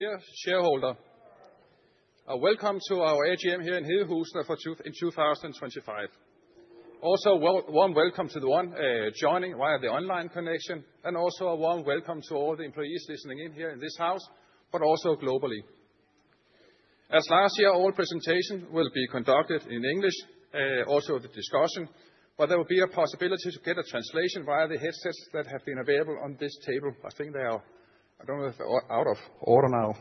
Dear shareholder, welcome to our AGM here in Hedehusene in 2025. Also, a warm welcome to the one joining via the online connection, and also a warm welcome to all the employees listening in here in this house, but also globally. As last year, all presentations will be conducted in English, also the discussion, but there will be a possibility to get a translation via the headsets that have been available on this table. I think they are—I don't know if they're out of order now.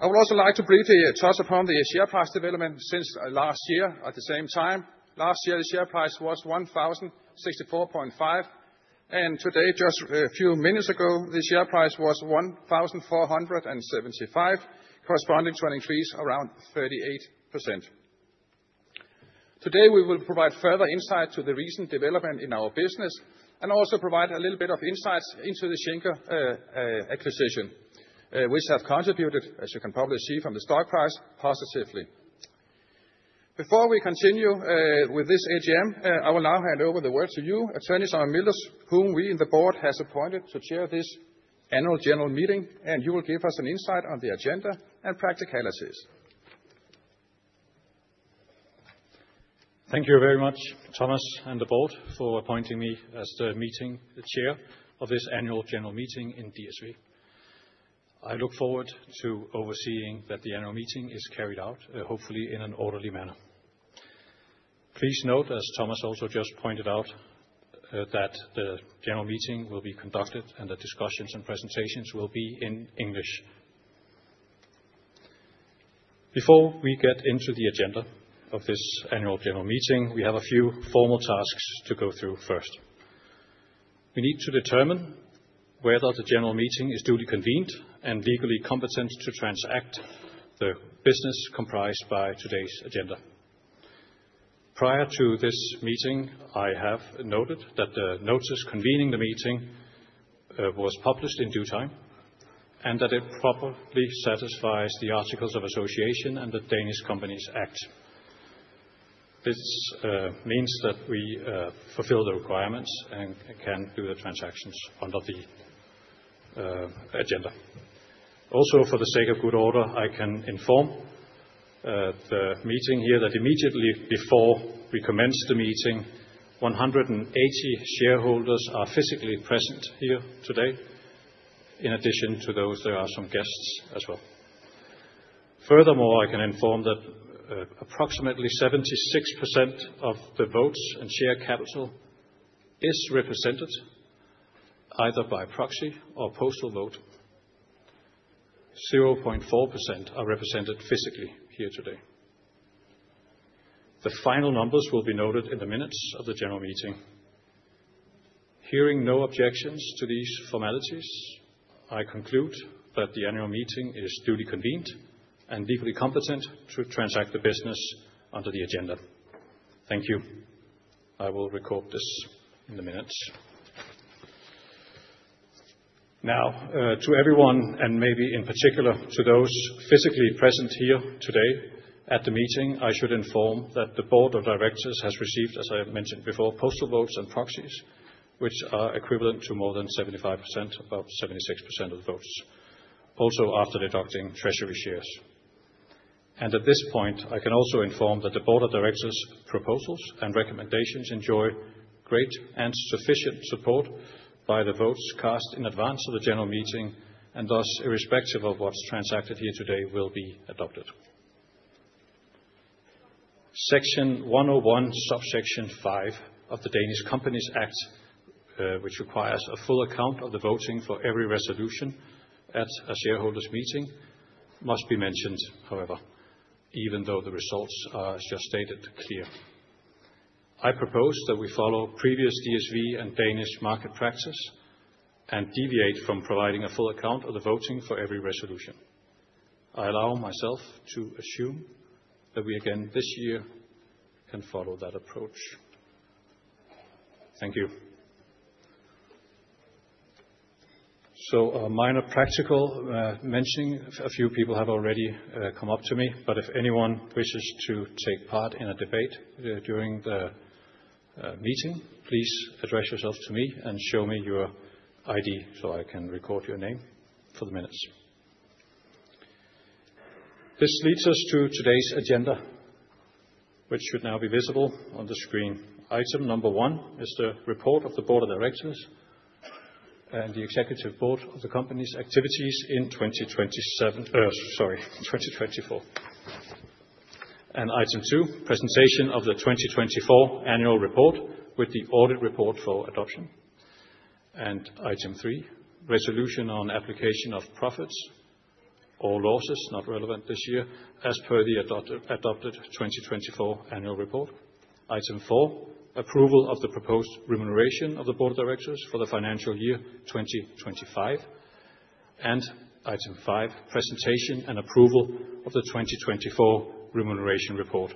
I would also like to briefly touch upon the share price development since last year. At the same time, last year, the share price was 1,064.5, and today, just a few minutes ago, the share price was 1,475, corresponding to an increase of around 38%. Today, we will provide further insight to the recent development in our business and also provide a little bit of insights into the Schenker acquisition, which has contributed, as you can probably see from the stock price, positively. Before we continue with this AGM, I will now hand over the word to you, Attorney Søren Mildes, whom we in the board have appointed to chair this annual general meeting, and you will give us an insight on the agenda and practicalities. Thank you very much, Thomas, and the board for appointing me as the meeting chair of this annual general meeting in DSV. I look forward to overseeing that the annual meeting is carried out, hopefully in an orderly manner. Please note, as Thomas also just pointed out, that the general meeting will be conducted and the discussions and presentations will be in English. Before we get into the agenda of this annual general meeting, we have a few formal tasks to go through first. We need to determine whether the general meeting is duly convened and legally competent to transact the business comprised by today's agenda. Prior to this meeting, I have noted that the notice convening the meeting was published in due time and that it properly satisfies the articles of association and the Danish Companies Act. This means that we fulfill the requirements and can do the transactions under the agenda. Also, for the sake of good order, I can inform the meeting here that immediately before we commence the meeting, 180 shareholders are physically present here today. In addition to those, there are some guests as well. Furthermore, I can inform that approximately 76% of the votes and share capital is represented either by proxy or postal vote. 0.4% are represented physically here today. The final numbers will be noted in the minutes of the general meeting. Hearing no objections to these formalities, I conclude that the annual meeting is duly convened and legally competent to transact the business under the agenda. Thank you. I will record this in the minutes. Now, to everyone, and maybe in particular to those physically present here today at the meeting, I should inform that the Board of Directors has received, as I mentioned before, postal votes and proxies, which are equivalent to more than 75%, about 76% of the votes, also after deducting treasury shares. At this point, I can also inform that the Board of Directors' proposals and recommendations enjoy great and sufficient support by the votes cast in advance of the general meeting, and thus, irrespective of what's transacted here today, will be adopted. Section 101, subsection 5 of the Danish Companies Act, which requires a full account of the voting for every resolution at a shareholders' meeting, must be mentioned, however, even though the results are just stated clearly. I propose that we follow previous DSV and Danish market practice and deviate from providing a full account of the voting for every resolution. I allow myself to assume that we again this year can follow that approach. Thank you. A minor practical mentioning: a few people have already come up to me, but if anyone wishes to take part in a debate during the meeting, please address yourself to me and show me your ID so I can record your name for the minutes. This leads us to today's agenda, which should now be visible on the screen. Item number one is the report of the Board of Directors and the Executive Board of the company's activities in 2024. Item two, presentation of the 2024 annual report with the audit report for adoption. Item three, resolution on application of profits or losses, not relevant this year as per the adopted 2024 annual report. Item four, approval of the proposed remuneration of the board of directors for the financial year 2025. Item five, presentation and approval of the 2024 remuneration report.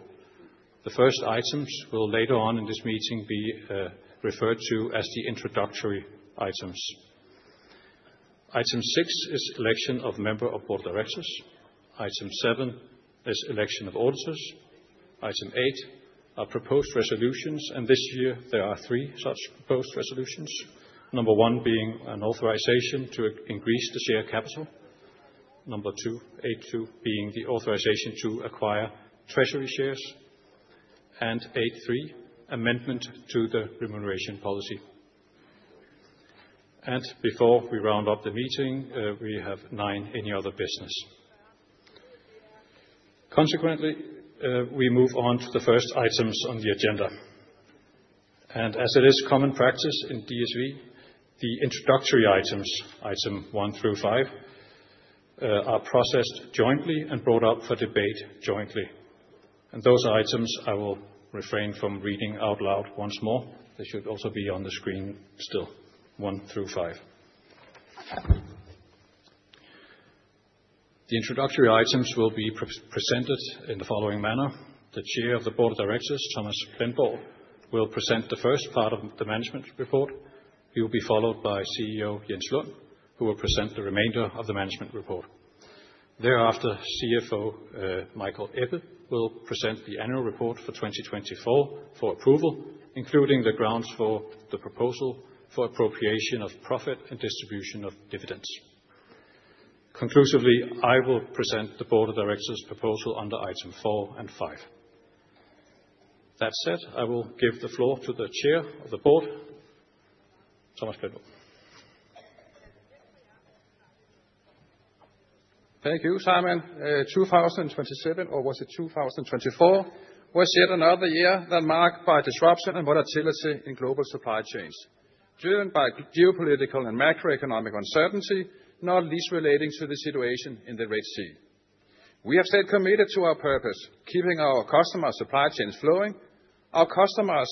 The first items will later on in this meeting be referred to as the introductory items. Item six is election of member of board of directors. Item seven is election of auditors. Item eight are proposed resolutions, and this year there are three such proposed resolutions. Number one being an authorization to increase the share capital. Number two, eight two, being the authorization to acquire treasury shares. Eight three, amendment to the remuneration policy. Before we round up the meeting, we have nine, any other business. Consequently, we move on to the first items on the agenda. As it is common practice in DSV, the introductory items, item one through five, are processed jointly and brought up for debate jointly. Those items I will refrain from reading out loud once more. They should also be on the screen still, one through five. The introductory items will be presented in the following manner. The Chair of the Board of Directors, Thomas Plamborg, will present the first part of the management report. He will be followed by CEO Jens Lund, who will present the remainder of the management report. Thereafter, CFO Michael Ebbe will present the annual report for 2024 for approval, including the grounds for the proposal for appropriation of profit and distribution of dividends. Conclusively, I will present the Board of Directors' proposal under item four and five. That said, I will give the floor to the Chair of the Board, Thomas Plamborg. Thank you. Thank you Soren 2027, or was it 2024, was yet another year that marked by disruption and volatility in global supply chains, driven by geopolitical and macroeconomic uncertainty, not least relating to the situation in the Red Sea. We have stayed committed to our purpose, keeping our customer supply chains flowing. Our customers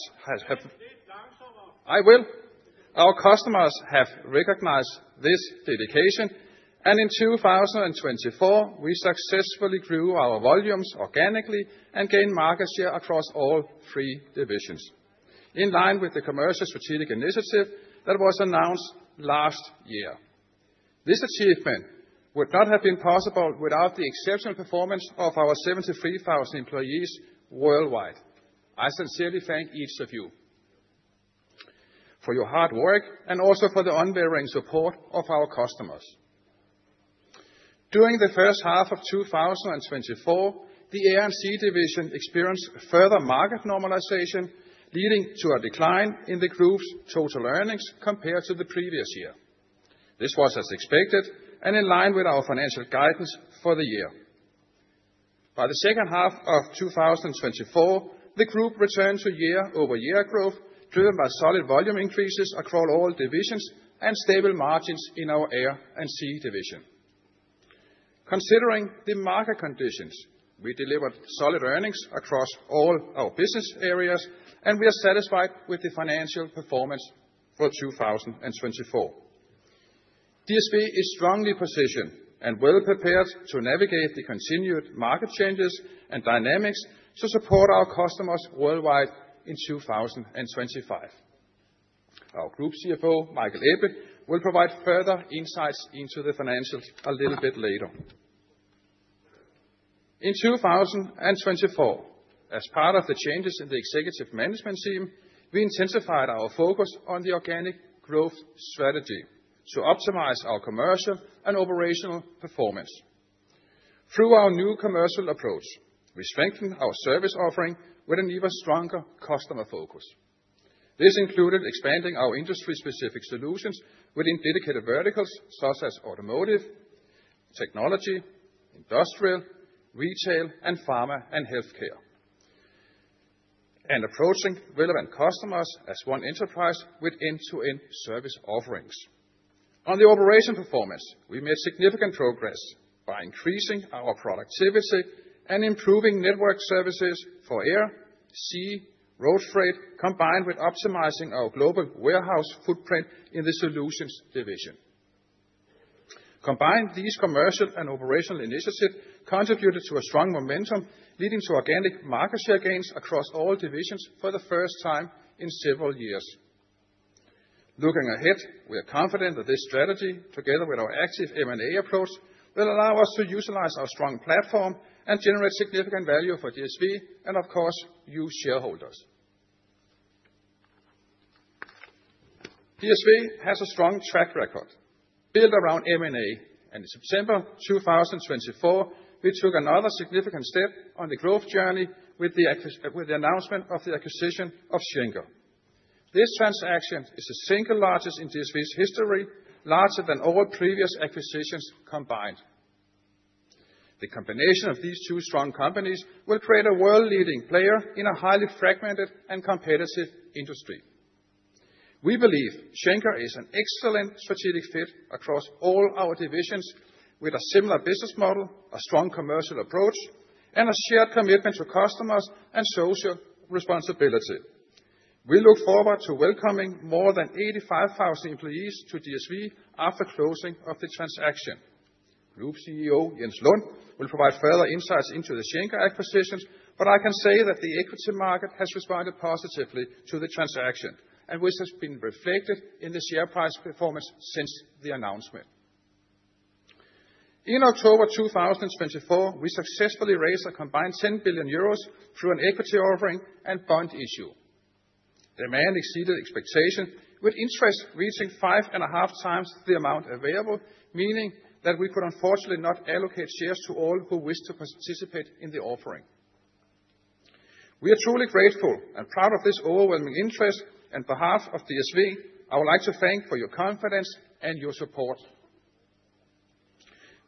have recognized this dedication, and in 2024, we successfully grew our volumes organically and gained market share across all three divisions, in line with the commercial strategic initiative that was announced last year. This achievement would not have been possible without the exceptional performance of our 73,000 employees worldwide. I sincerely thank each of you for your hard work and also for the unwavering support of our customers. During the first half of 2024, the Air & Sea division experienced further market normalization, leading to a decline in the group's total earnings compared to the previous year. This was as expected and in line with our financial guidance for the year. By the second half of 2024, the group returned to year-over-year growth, driven by solid volume increases across all divisions and stable margins in our AMC division. Considering the market conditions, we delivered solid earnings across all our business areas, and we are satisfied with the financial performance for 2024. DSV is strongly positioned and well prepared to navigate the continued market changes and dynamics to support our customers worldwide in 2025. Our Group CFO, Michael Ebbe, will provide further insights into the financials a little bit later. In 2024, as part of the changes in the executive management team, we intensified our focus on the organic growth strategy to optimize our commercial and operational performance. Through our new commercial approach, we strengthened our service offering with an even stronger customer focus. This included expanding our industry-specific solutions within dedicated verticals such as automotive, technology, industrial, retail, and pharma and healthcare, and approaching relevant customers as one enterprise with end-to-end service offerings. On the operation performance, we made significant progress by increasing our productivity and improving network services for air, sea, road freight, combined with optimizing our global warehouse footprint in the Solutions division. Combined, these commercial and operational initiatives contributed to a strong momentum, leading to organic market share gains across all divisions for the first time in several years. Looking ahead, we are confident that this strategy, together with our active M&A approach, will allow us to utilize our strong platform and generate significant value for DSV and, of course, you shareholders. DSV has a strong track record built around M&A, and in September 2024, we took another significant step on the growth journey with the announcement of the acquisition of Schenker. This transaction is the single largest in DSV's history, larger than all previous acquisitions combined. The combination of these two strong companies will create a world-leading player in a highly fragmented and competitive industry. We believe Schenker is an excellent strategic fit across all our divisions, with a similar business model, a strong commercial approach, and a shared commitment to customers and social responsibility. We look forward to welcoming more than 85,000 employees to DSV after closing of the transaction. Group CEO Jens Lund will provide further insights into the Schenker acquisitions, but I can say that the equity market has responded positively to the transaction, which has been reflected in the share price performance since the announcement. In October 2024, we successfully raised a combined 10 billion euros through an equity offering and bond issue. Demand exceeded expectations, with interest reaching five and a half times the amount available, meaning that we could unfortunately not allocate shares to all who wish to participate in the offering. We are truly grateful and proud of this overwhelming interest, and on behalf of DSV, I would like to thank you for your confidence and your support.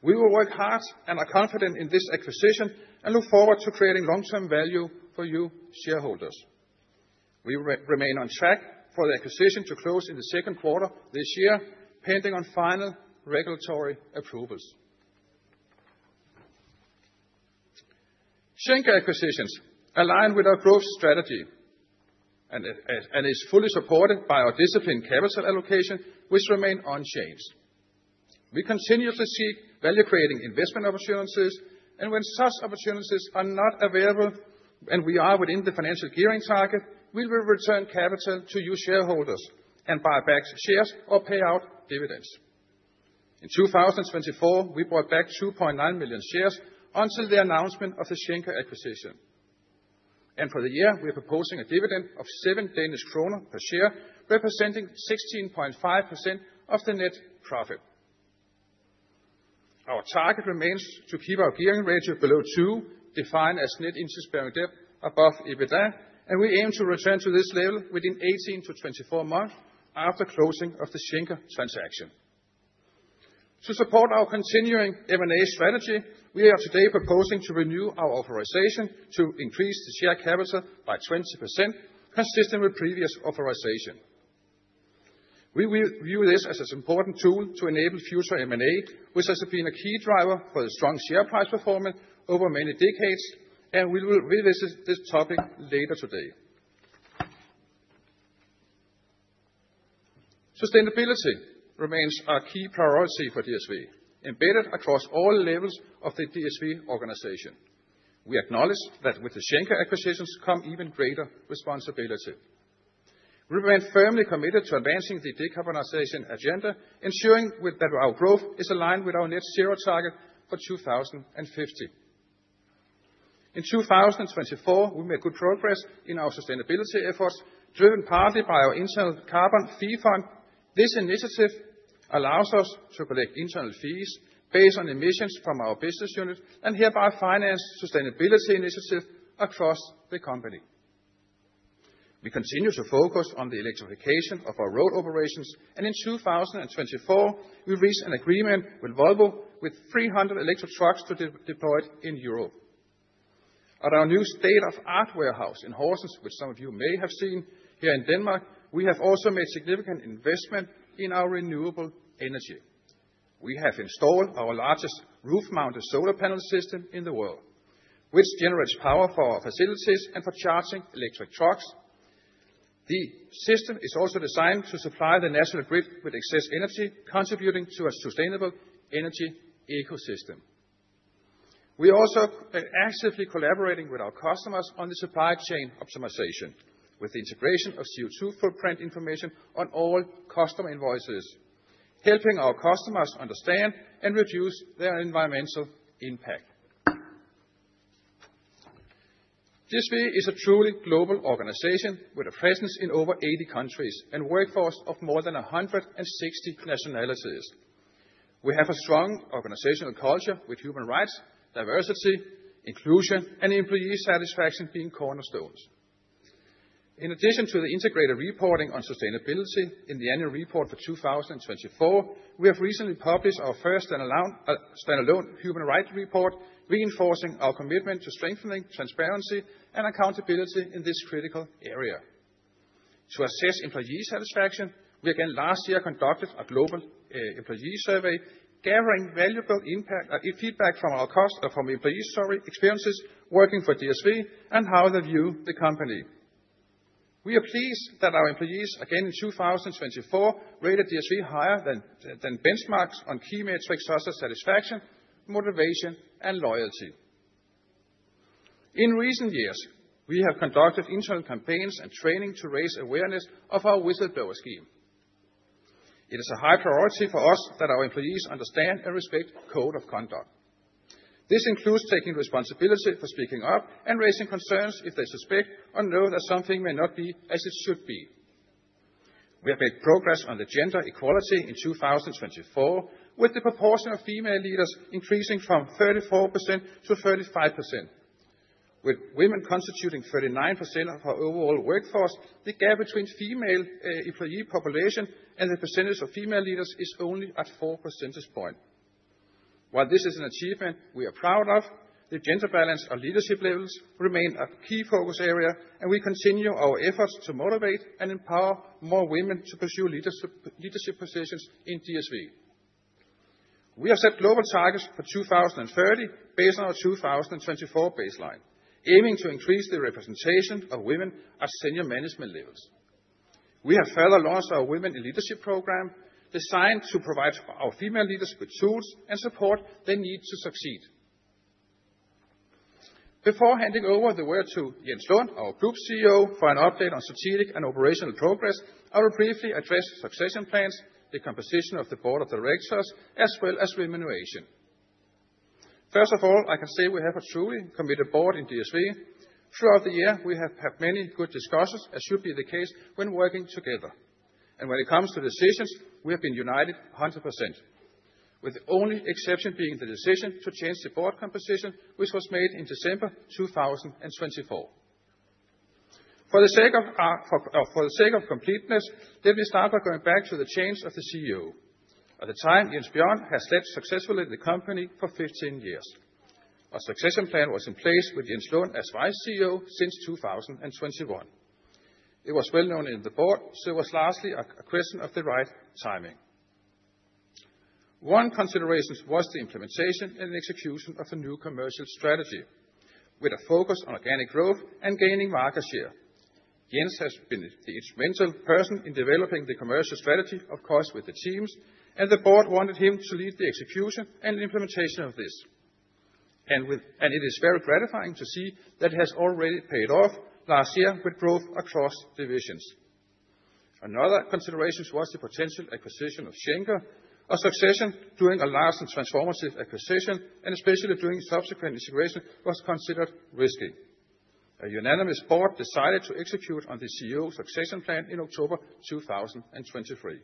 We will work hard and are confident in this acquisition and look forward to creating long-term value for you shareholders. We will remain on track for the acquisition to close in the second quarter this year, pending final regulatory approvals. Schenker acquisitions align with our growth strategy and is fully supported by our disciplined capital allocation, which remains unchanged. We continuously seek value-creating investment opportunities, and when such opportunities are not available and we are within the financial gearing target, we will return capital to you shareholders and buy back shares or pay out dividends. In 2024, we bought back 2.9 million shares until the announcement of the Schenker acquisition. For the year, we are proposing a dividend of 7 Danish kroner per share, representing 16.5% of the net profit. Our target remains to keep our gearing ratio below 2, defined as net interest-bearing debt above EBITDA, and we aim to return to this level within 18-24 months after closing of the Schenker transaction. To support our continuing M&A strategy, we are today proposing to renew our authorization to increase the share capital by 20%, consistent with previous authorization. We view this as an important tool to enable future M&A, which has been a key driver for the strong share price performance over many decades, and we will revisit this topic later today. Sustainability remains a key priority for DSV, embedded across all levels of the DSV organization. We acknowledge that with the Schenker acquisitions come even greater responsibility. We remain firmly committed to advancing the decarbonization agenda, ensuring that our growth is aligned with our net zero target for 2050. In 2024, we made good progress in our sustainability efforts, driven partly by our internal carbon fee fund. This initiative allows us to collect internal fees based on emissions from our business unit and thereby finance sustainability initiatives across the company. We continue to focus on the electrification of our road operations, and in 2024, we reached an agreement with Volvo with 300 electric trucks to be deployed in Europe. At our new state-of-the-art warehouse in Horsens, which some of you may have seen here in Denmark, we have also made significant investment in our renewable energy. We have installed our largest roof-mounted solar panel system in the world, which generates power for our facilities and for charging electric trucks. The system is also designed to supply the national grid with excess energy, contributing to a sustainable energy ecosystem. We are also actively collaborating with our customers on the supply chain optimization, with the integration of CO2 footprint information on all customer invoices, helping our customers understand and reduce their environmental impact. DSV is a truly global organization with a presence in over 80 countries and a workforce of more than 160 nationalities. We have a strong organizational culture with human rights, diversity, inclusion, and employee satisfaction being cornerstones. In addition to the integrated reporting on sustainability in the annual report for 2024, we have recently published our first standalone human rights report, reinforcing our commitment to strengthening transparency and accountability in this critical area. To assess employee satisfaction, we again last year conducted a global employee survey, gathering valuable feedback from our employee experiences working for DSV and how they view the company. We are pleased that our employees again in 2024 rated DSV higher than benchmarks on key metrics such as satisfaction, motivation, and loyalty. In recent years, we have conducted internal campaigns and training to raise awareness of our whistleblower scheme. It is a high priority for us that our employees understand and respect code of conduct. This includes taking responsibility for speaking up and raising concerns if they suspect or know that something may not be as it should be. We have made progress on the gender equality in 2024, with the proportion of female leaders increasing from 34% to 35%. With women constituting 39% of our overall workforce, the gap between female employee population and the percentage of female leaders is only at 4 percentage points. While this is an achievement we are proud of, the gender balance on leadership levels remains a key focus area, and we continue our efforts to motivate and empower more women to pursue leadership positions in DSV. We have set global targets for 2030 based on our 2024 baseline, aiming to increase the representation of women at senior management levels. We have further launched our women in leadership program, designed to provide our female leaders with tools and support they need to succeed. Before handing over the word to Jens Lund, our Group CEO, for an update on strategic and operational progress, I will briefly address succession plans, the composition of the board of directors, as well as remuneration. First of all, I can say we have a truly committed board in DSV. Throughout the year, we have had many good discussions, as should be the case when working together. When it comes to decisions, we have been united 100%, with the only exception being the decision to change the board composition, which was made in December 2024. For the sake of completeness, let me start by going back to the change of the CEO. At the time, Jens Bjørn had led successfully the company for 15 years. A succession plan was in place with Jens Lund as Vice CEO since 2021. It was well known in the board, so it was largely a question of the right timing. One consideration was the implementation and execution of the new commercial strategy, with a focus on organic growth and gaining market share. Jens has been the instrumental person in developing the commercial strategy, of course, with the teams, and the board wanted him to lead the execution and implementation of this. It is very gratifying to see that it has already paid off last year with growth across divisions. Another consideration was the potential acquisition of Schenker. A succession during a large and transformative acquisition, and especially during subsequent integration, was considered risky. A unanimous board decided to execute on the CEO succession plan in October 2023.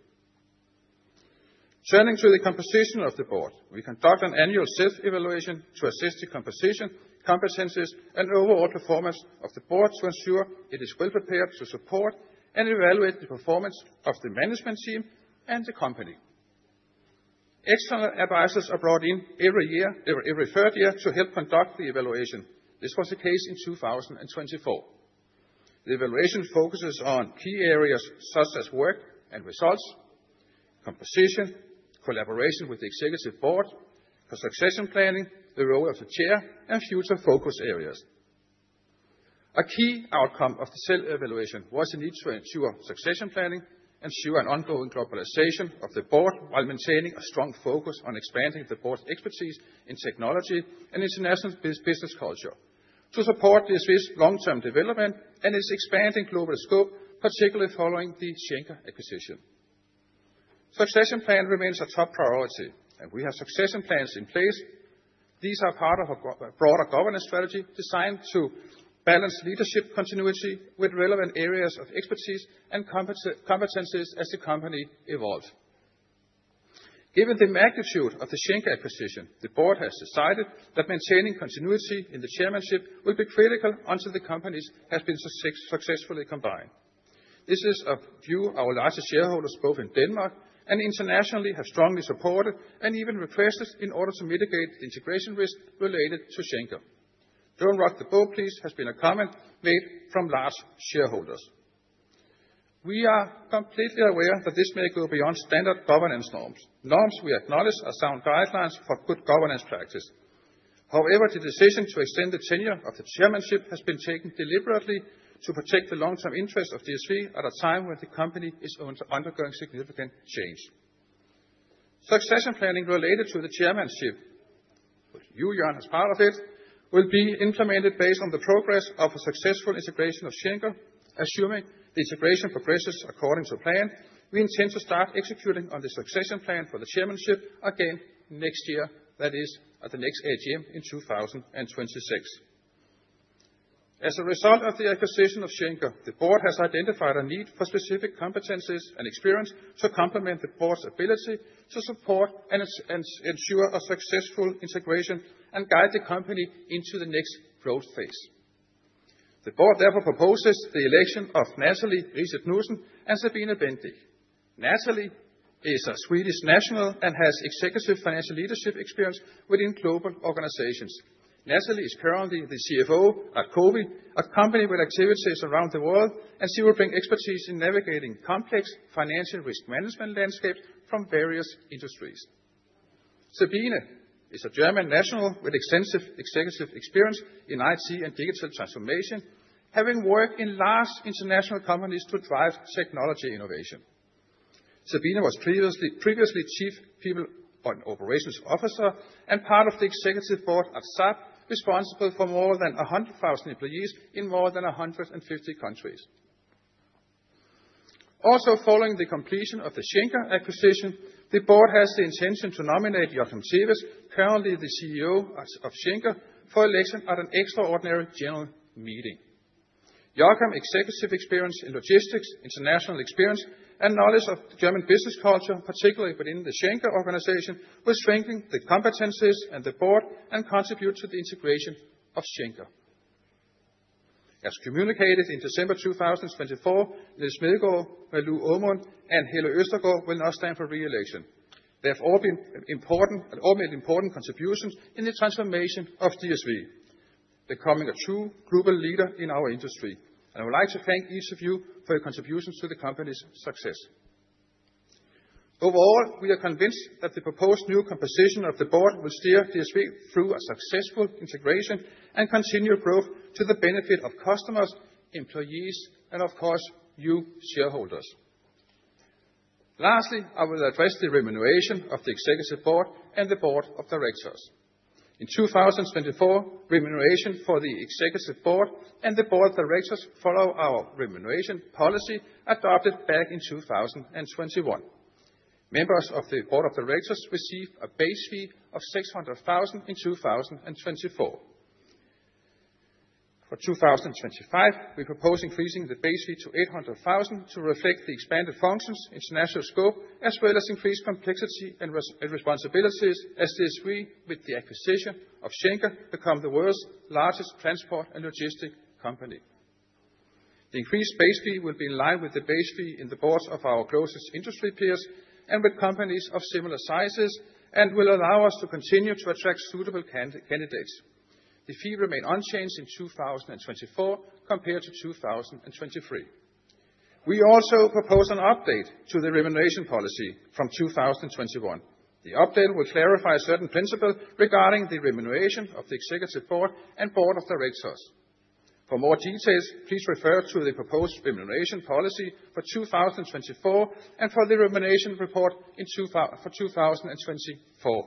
Turning to the composition of the board, we conduct an annual self-evaluation to assess the composition, competencies, and overall performance of the board to ensure it is well prepared to support and evaluate the performance of the management team and the company. External advisors are brought in every year, every third year, to help conduct the evaluation. This was the case in 2024. The evaluation focuses on key areas such as work and results, composition, collaboration with the executive board, for succession planning, the role of the chair, and future focus areas. A key outcome of the self-evaluation was the need to ensure succession planning, ensure an ongoing globalization of the board while maintaining a strong focus on expanding the board's expertise in technology and international business culture to support DSV's long-term development and its expanding global scope, particularly following the Schenker acquisition. Succession plan remains a top priority, and we have succession plans in place. These are part of a broader governance strategy designed to balance leadership continuity with relevant areas of expertise and competencies as the company evolves. Given the magnitude of the Schenker acquisition, the board has decided that maintaining continuity in the chairmanship will be critical until the companies have been successfully combined. This is a view our largest shareholders, both in Denmark and internationally, have strongly supported and even requested in order to mitigate the integration risk related to Schenker. "Don't rock the boat, please," has been a comment made from large shareholders. We are completely aware that this may go beyond standard governance norms. Norms we acknowledge are sound guidelines for good governance practice. However, the decision to extend the tenure of the chairmanship has been taken deliberately to protect the long-term interests of DSV at a time when the company is undergoing significant change. Succession planning related to the chairmanship, which you, Jørgen, are part of, will be implemented based on the progress of a successful integration of Schenker. Assuming the integration progresses according to plan, we intend to start executing on the succession plan for the chairmanship again next year, that is, at the next AGM in 2026. As a result of the acquisition of Schenker, the board has identified a need for specific competencies and experience to complement the board's ability to support and ensure a successful integration and guide the company into the next growth phase. The board therefore proposes the election of Natalie Riise-Knudsen and Sabine Bendiek. Natalie is a Swedish national and has executive financial leadership experience within global organizations. Natalie is currently the CFO at COVI, a company with activities around the world, and she will bring expertise in navigating complex financial risk management landscapes from various industries. Sabine is a German national with extensive executive experience in IT and digital transformation, having worked in large international companies to drive technology innovation. Sabine was previously Chief People and Operations Officer and part of the executive board at SAP, responsible for more than 100,000 employees in more than 150 countries. Also, following the completion of the Schenker acquisition, the board has the intention to nominate Jochen Thewes, currently the CEO of Schenker, for election at an extraordinary general meeting. Jochen's executive experience in logistics, international experience, and knowledge of German business culture, particularly within the Schenker organization, will strengthen the competencies and the board and contribute to the integration of Schenker. As communicated in December 2024, Nils Smedlund, Malou Aamund, and Helle Østergaard will now stand for re-election. They have all made important contributions in the transformation of DSV, becoming a true global leader in our industry. I would like to thank each of you for your contributions to the company's success. Overall, we are convinced that the proposed new composition of the board will steer DSV through a successful integration and continual growth to the benefit of customers, employees, and, of course, new shareholders. Lastly, I will address the remuneration of the executive board and the board of directors. In 2024, remuneration for the Executive Board and the Board of Directors follows our remuneration policy adopted back in 2021. Members of the Board of Directors received a base fee of 600,000 in 2024. For 2025, we propose increasing the base fee to 800,000 to reflect the expanded functions, international scope, as well as increased complexity and responsibilities as DSV, with the acquisition of Schenker, becomes the world's largest transport and logistics company. The increased base fee will be in line with the base fee in the boards of our closest industry peers and with companies of similar sizes and will allow us to continue to attract suitable candidates. The fee remained unchanged in 2024 compared to 2023. We also propose an update to the remuneration policy from 2021. The update will clarify certain principles regarding the remuneration of the Executive Board and Board of Directors. For more details, please refer to the proposed remuneration policy for 2024 and for the remuneration report for 2024.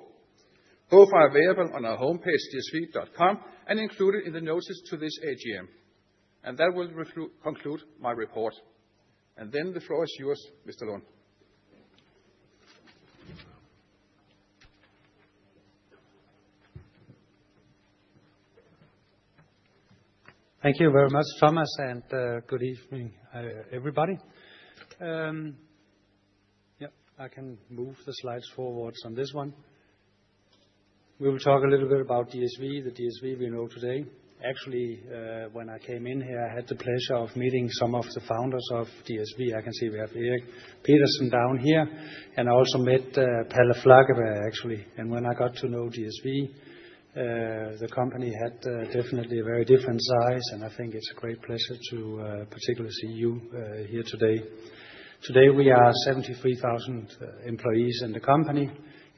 Both are available on our homepage, dsv.com, and included in the notice to this AGM. That will conclude my report. The floor is yours, Mr. Lund. Thank you very much, Thomas, and good evening, everybody. Yeah, I can move the slides forward on this one. We will talk a little bit about DSV, the DSV we know today. Actually, when I came in here, I had the pleasure of meeting some of the founders of DSV. I can see we have Erik Petersen down here, and I also met Pelle Flakeberg, actually. When I got to know DSV, the company had definitely a very different size, and I think it's a great pleasure to particularly see you here today. Today, we are 73,000 employees in the company,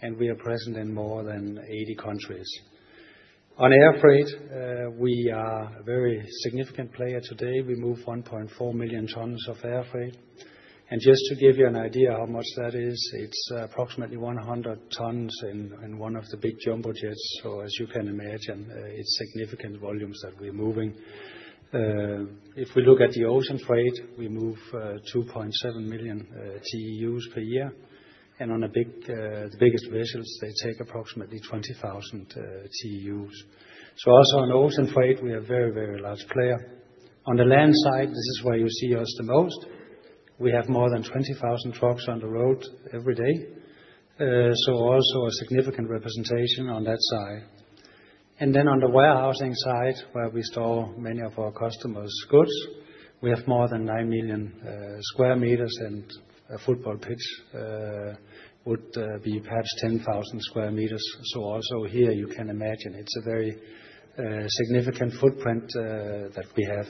and we are present in more than 80 countries. On air freight, we are a very significant player today. We move 1.4 million tons of air freight. Just to give you an idea of how much that is, it's approximately 100 tons in one of the big jumbo jets. As you can imagine, it's significant volumes that we are moving. If we look at the ocean freight, we move 2.7 million TEUs per year. On the biggest vessels, they take approximately 20,000 TEUs. Also on ocean freight, we are a very, very large player. On the land side, this is where you see us the most. We have more than 20,000 trucks on the road every day. Also a significant representation on that side. On the warehousing side, where we store many of our customers' goods, we have more than 9 million sq m, and a football pitch would be perhaps 10,000 sq m. You can imagine it is a very significant footprint that we have.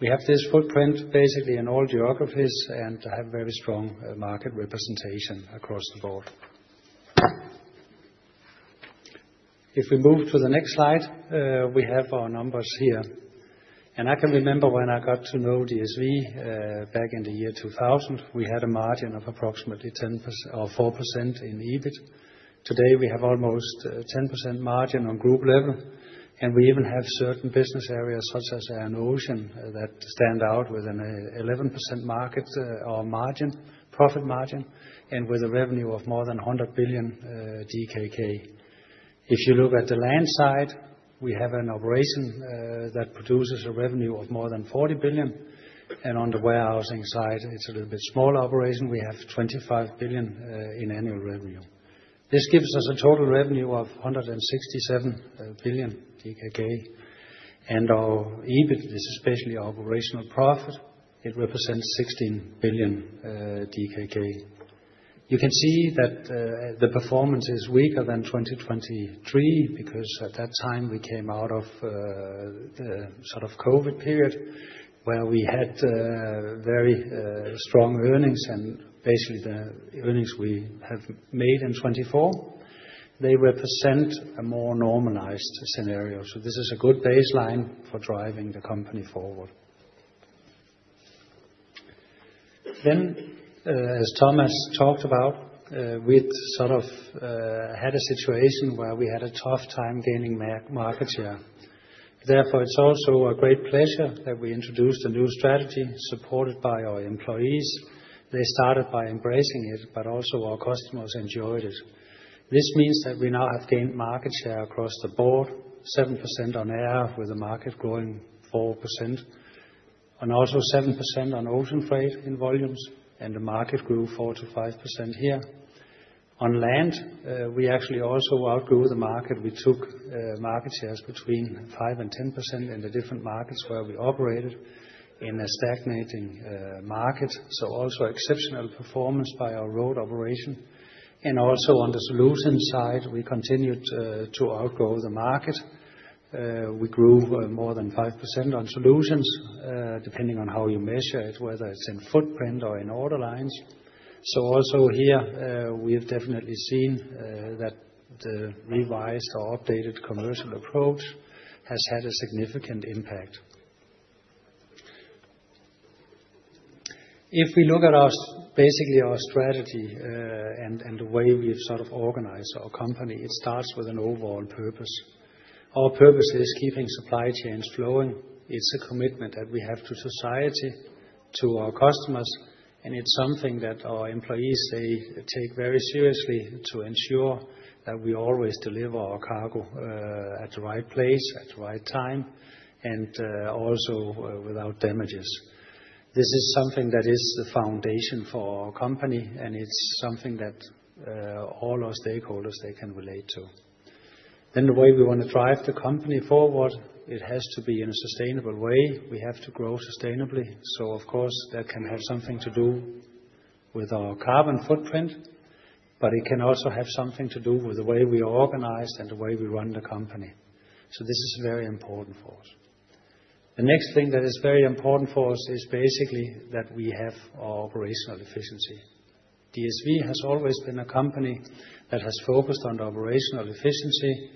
We have this footprint basically in all geographies and have a very strong market representation across the board. If we move to the next slide, we have our numbers here. I can remember when I got to know DSV back in the year 2000, we had a margin of approximately 10% or 4% in EBIT. Today, we have almost a 10% margin on group level. We even have certain business areas such as our ocean that stand out with an 11% market profit margin and with a revenue of more than 100 billion DKK. If you look at the land side, we have an operation that produces a revenue of more than 40 billion. On the warehousing side, it is a little bit smaller operation. We have 25 billion in annual revenue. This gives us a total revenue of 167 billion DKK. Our EBIT, this is basically our operational profit. It represents 16 billion DKK. You can see that the performance is weaker than 2023 because at that time we came out of the sort of COVID period where we had very strong earnings and basically the earnings we have made in 2024, they represent a more normalized scenario. This is a good baseline for driving the company forward. As Thomas talked about, we sort of had a situation where we had a tough time gaining market share. Therefore, it's also a great pleasure that we introduced a new strategy supported by our employees. They started by embracing it, but also our customers enjoyed it. This means that we now have gained market share across the board, 7% on air with the market growing 4%, and also 7% on ocean freight in volumes, and the market grew 4%-5% here. On land, we actually also outgrew the market. We took market shares between 5% and 10% in the different markets where we operated in a stagnating market. Also exceptional performance by our road operation. Also on the solutions side, we continued to outgrow the market. We grew more than 5% on solutions, depending on how you measure it, whether it's in footprint or in order lines. Also here, we have definitely seen that the revised or updated commercial approach has had a significant impact. If we look at basically our strategy and the way we've sort of organized our company, it starts with an overall purpose. Our purpose is keeping supply chains flowing. It's a commitment that we have to society, to our customers, and it's something that our employees, they take very seriously to ensure that we always deliver our cargo at the right place, at the right time, and also without damages. This is something that is the foundation for our company, and it's something that all our stakeholders, they can relate to. The way we want to drive the company forward, it has to be in a sustainable way. We have to grow sustainably. Of course, that can have something to do with our carbon footprint, but it can also have something to do with the way we organize and the way we run the company. This is very important for us. The next thing that is very important for us is basically that we have our operational efficiency. DSV has always been a company that has focused on operational efficiency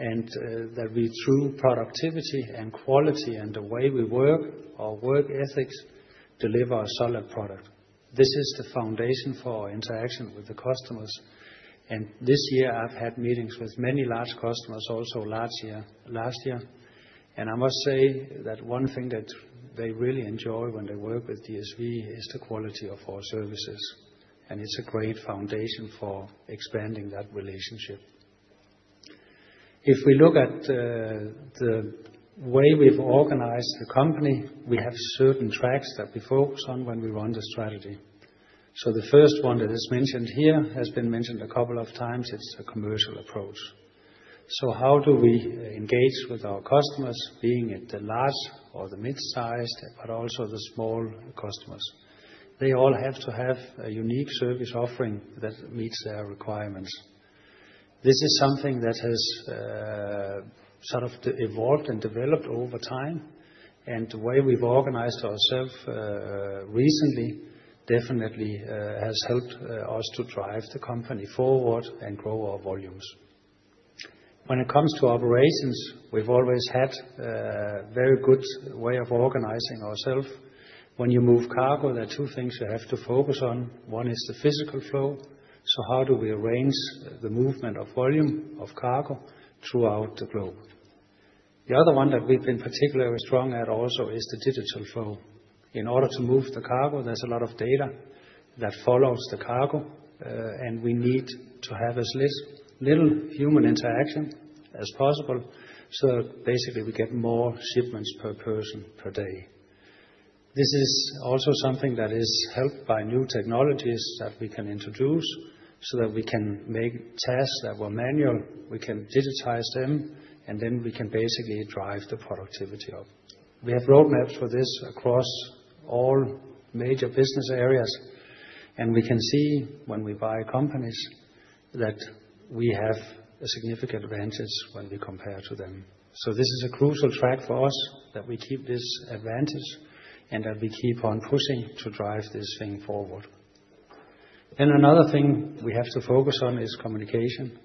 and that we, through productivity and quality and the way we work, our work ethics, deliver a solid product. This is the foundation for our interaction with the customers. This year, I've had meetings with many large customers, also last year. I must say that one thing that they really enjoy when they work with DSV is the quality of our services. It's a great foundation for expanding that relationship. If we look at the way we've organized the company, we have certain tracks that we focus on when we run the strategy. The first one that is mentioned here has been mentioned a couple of times. It's a commercial approach. How do we engage with our customers, being it the large or the mid-sized, but also the small customers? They all have to have a unique service offering that meets their requirements. This is something that has sort of evolved and developed over time. The way we've organized ourselves recently definitely has helped us to drive the company forward and grow our volumes. When it comes to operations, we've always had a very good way of organizing ourselves. When you move cargo, there are two things you have to focus on. One is the physical flow. How do we arrange the movement of volume of cargo throughout the globe? The other one that we've been particularly strong at also is the digital flow. In order to move the cargo, there's a lot of data that follows the cargo, and we need to have as little human interaction as possible so that basically we get more shipments per person per day. This is also something that is helped by new technologies that we can introduce so that we can make tasks that were manual. We can digitize them, and then we can basically drive the productivity up. We have roadmaps for this across all major business areas, and we can see when we buy companies that we have a significant advantage when we compare to them. This is a crucial track for us that we keep this advantage and that we keep on pushing to drive this thing forward. Another thing we have to focus on is communication,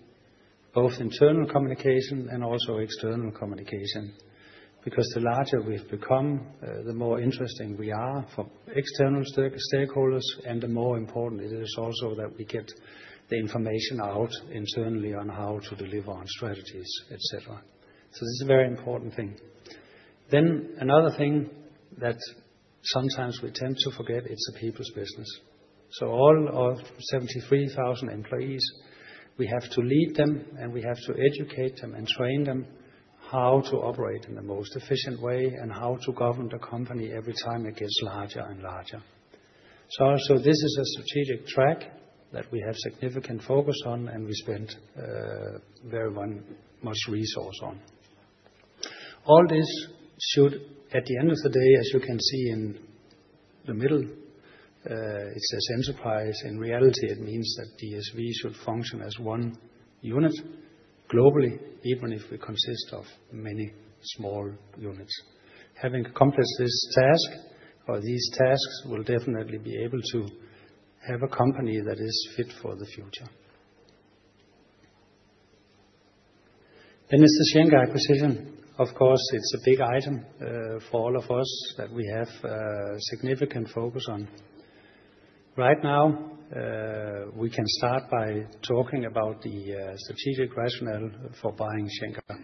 both internal communication and also external communication, because the larger we've become, the more interesting we are for external stakeholders, and the more important it is also that we get the information out internally on how to deliver on strategies, etc. This is a very important thing. Another thing that sometimes we tend to forget is the people's business. All our 73,000 employees, we have to lead them, and we have to educate them and train them how to operate in the most efficient way and how to govern the company every time it gets larger and larger. This is a strategic track that we have significant focus on and we spent very much resource on. All this should, at the end of the day, as you can see in the middle, it says enterprise. In reality, it means that DSV should function as one unit globally, even if we consist of many small units. Having accomplished this task or these tasks will definitely be able to have a company that is fit for the future. The Schenker acquisition is, of course, a big item for all of us that we have significant focus on. Right now, we can start by talking about the strategic rationale for buying Schenker.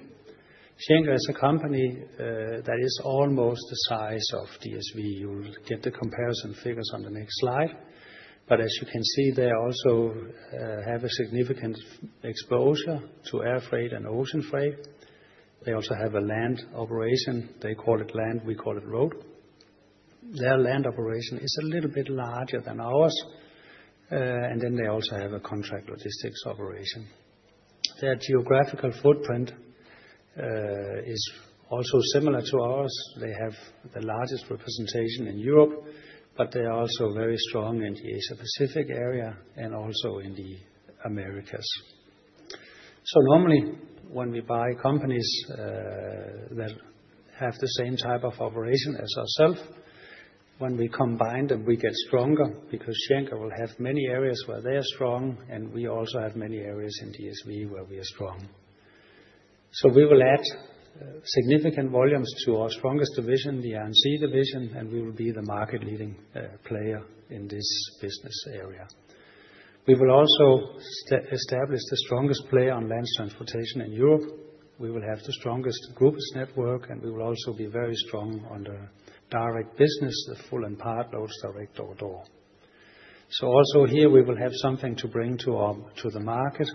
Schenker is a company that is almost the size of DSV. You'll get the comparison figures on the next slide. As you can see, they also have a significant exposure to air freight and ocean freight. They also have a land operation. They call it land. We call it road. Their land operation is a little bit larger than ours. They also have a contract logistics operation. Their geographical footprint is also similar to ours. They have the largest representation in Europe, but they are also very strong in the Asia-Pacific area and also in the Americas. Normally, when we buy companies that have the same type of operation as ourselves, when we combine them, we get stronger because Schenker will have many areas where they are strong, and we also have many areas in DSV where we are strong. We will add significant volumes to our strongest division, the R&C division, and we will be the market-leading player in this business area. We will also establish the strongest player on land transportation in Europe. We will have the strongest groups network, and we will also be very strong on the direct business, the full and part loads direct door to door. Here, we will have something to bring to the market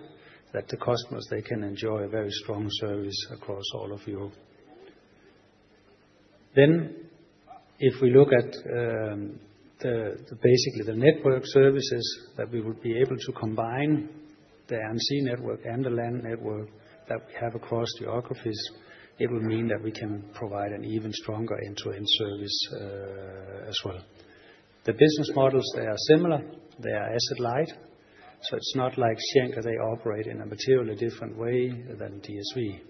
that the customers can enjoy—a very strong service across all of Europe. If we look at basically the network services, we would be able to combine the Air & Sea network and the land network that we have across geographies. It would mean that we can provide an even stronger end-to-end service as well. The business models are similar. They are asset-light. It is not like Schenker operates in a materially different way than DSV.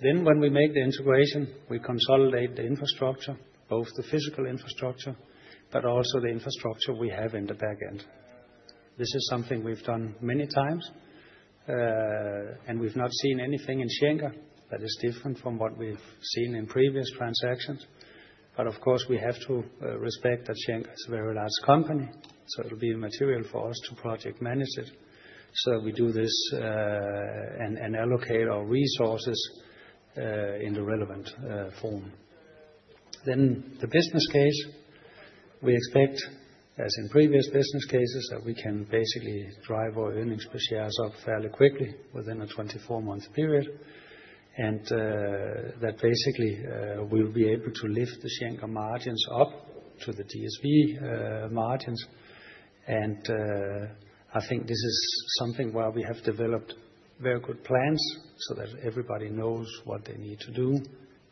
When we make the integration, we consolidate the infrastructure, both the physical infrastructure and also the infrastructure we have in the back end. This is something we have done many times, and we have not seen anything in Schenker that is different from what we have seen in previous transactions. Of course, we have to respect that Schenker is a very large company, so it will be material for us to project manage it. We do this and allocate our resources in the relevant form. The business case, we expect, as in previous business cases, that we can basically drive our earnings per share up fairly quickly within a 24-month period, and that basically we will be able to lift the Schenker margins up to the DSV margins. I think this is something where we have developed very good plans so that everybody knows what they need to do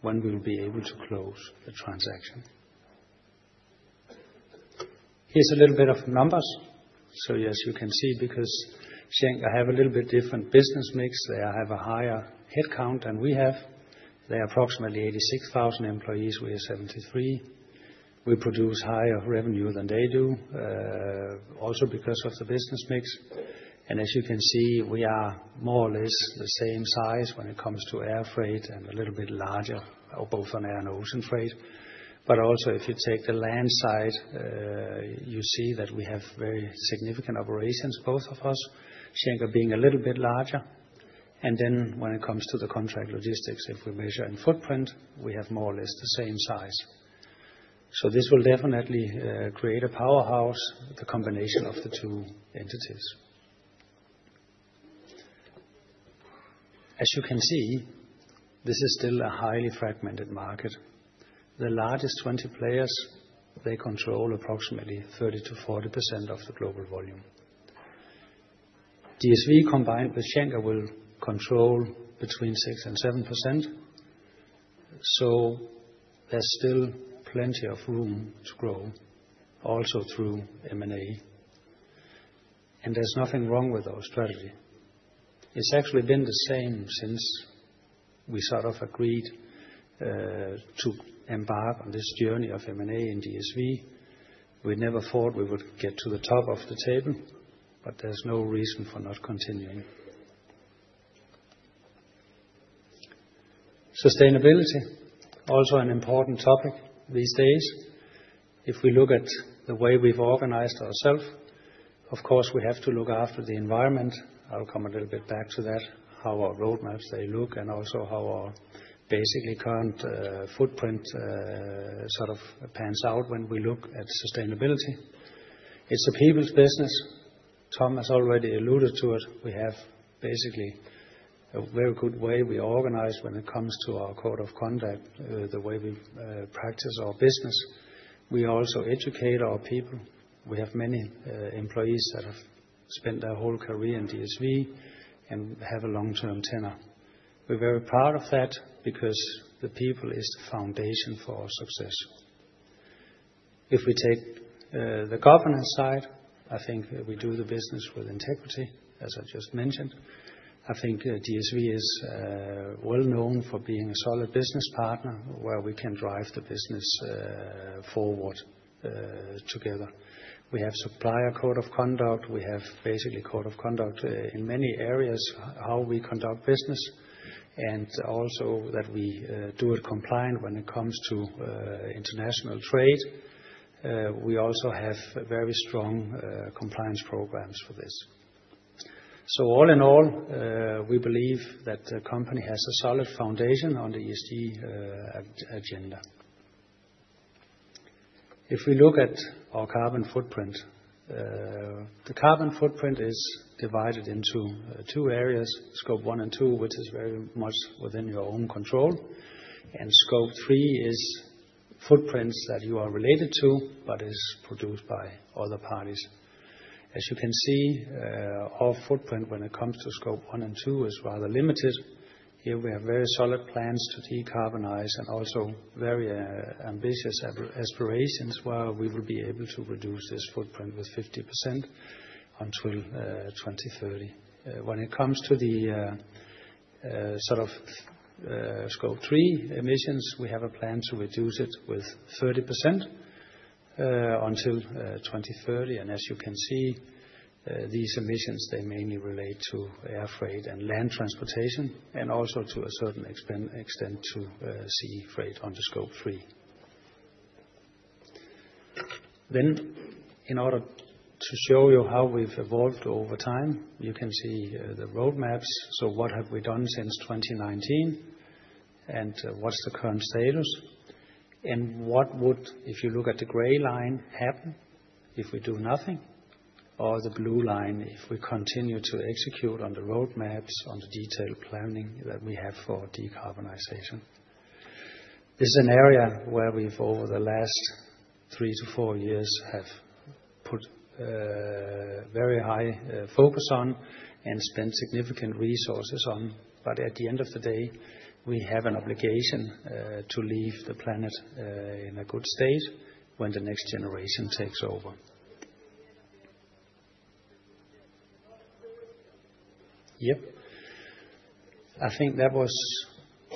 when we will be able to close the transaction. Here is a little bit of numbers. As you can see, because Schenker has a little bit different business mix, they have a higher headcount than we have. They are approximately 86,000 employees. We are 73. We produce higher revenue than they do, also because of the business mix. As you can see, we are more or less the same size when it comes to air freight and a little bit larger both on air and ocean freight. Also, if you take the land side, you see that we have very significant operations, both of us, Schenker being a little bit larger. When it comes to the contract logistics, if we measure in footprint, we have more or less the same size. This will definitely create a powerhouse, the combination of the two entities. As you can see, this is still a highly fragmented market. The largest 20 players control approximately 30%-40% of the global volume. DSV combined with Schenker will control between 6% and 7%. There is still plenty of room to grow also through M&A. There is nothing wrong with our strategy. It has actually been the same since we sort of agreed to embark on this journey of M&A and DSV. We never thought we would get to the top of the table, but there is no reason for not continuing. Sustainability is also an important topic these days. If we look at the way we have organized ourselves, of course, we have to look after the environment. I will come a little bit back to that, how our roadmaps look, and also how our basically current footprint sort of pans out when we look at sustainability. It is a people's business. Tom has already alluded to it. We have basically a very good way we organize when it comes to our code of conduct, the way we practice our business. We also educate our people. We have many employees that have spent their whole career in DSV and have a long-term tenure. We're very proud of that because the people is the foundation for our success. If we take the governance side, I think we do the business with integrity, as I just mentioned. I think DSV is well known for being a solid business partner where we can drive the business forward together. We have supplier code of conduct. We have basically code of conduct in many areas, how we conduct business, and also that we do it compliant when it comes to international trade. We also have very strong compliance programs for this. All in all, we believe that the company has a solid foundation on the ESG agenda. If we look at our carbon footprint, the carbon footprint is divided into two areas, scope one and two, which is very much within your own control, and scope three is footprints that you are related to, but is produced by other parties. As you can see, our footprint when it comes to scope one and two is rather limited. Here, we have very solid plans to decarbonize and also very ambitious aspirations where we will be able to reduce this footprint with 50% until 2030. When it comes to the sort of scope three emissions, we have a plan to reduce it with 30% until 2030. As you can see, these emissions, they mainly relate to air freight and land transportation, and also to a certain extent to sea freight under scope three. In order to show you how we've evolved over time, you can see the roadmaps. What have we done since 2019, and what's the current status, and what would, if you look at the gray line, happen if we do nothing, or the blue line if we continue to execute on the roadmaps, on the detailed planning that we have for decarbonization. This is an area where we've, over the last three to four years, put very high focus on and spent significant resources on. At the end of the day, we have an obligation to leave the planet in a good state when the next generation takes over. Yep. I think that was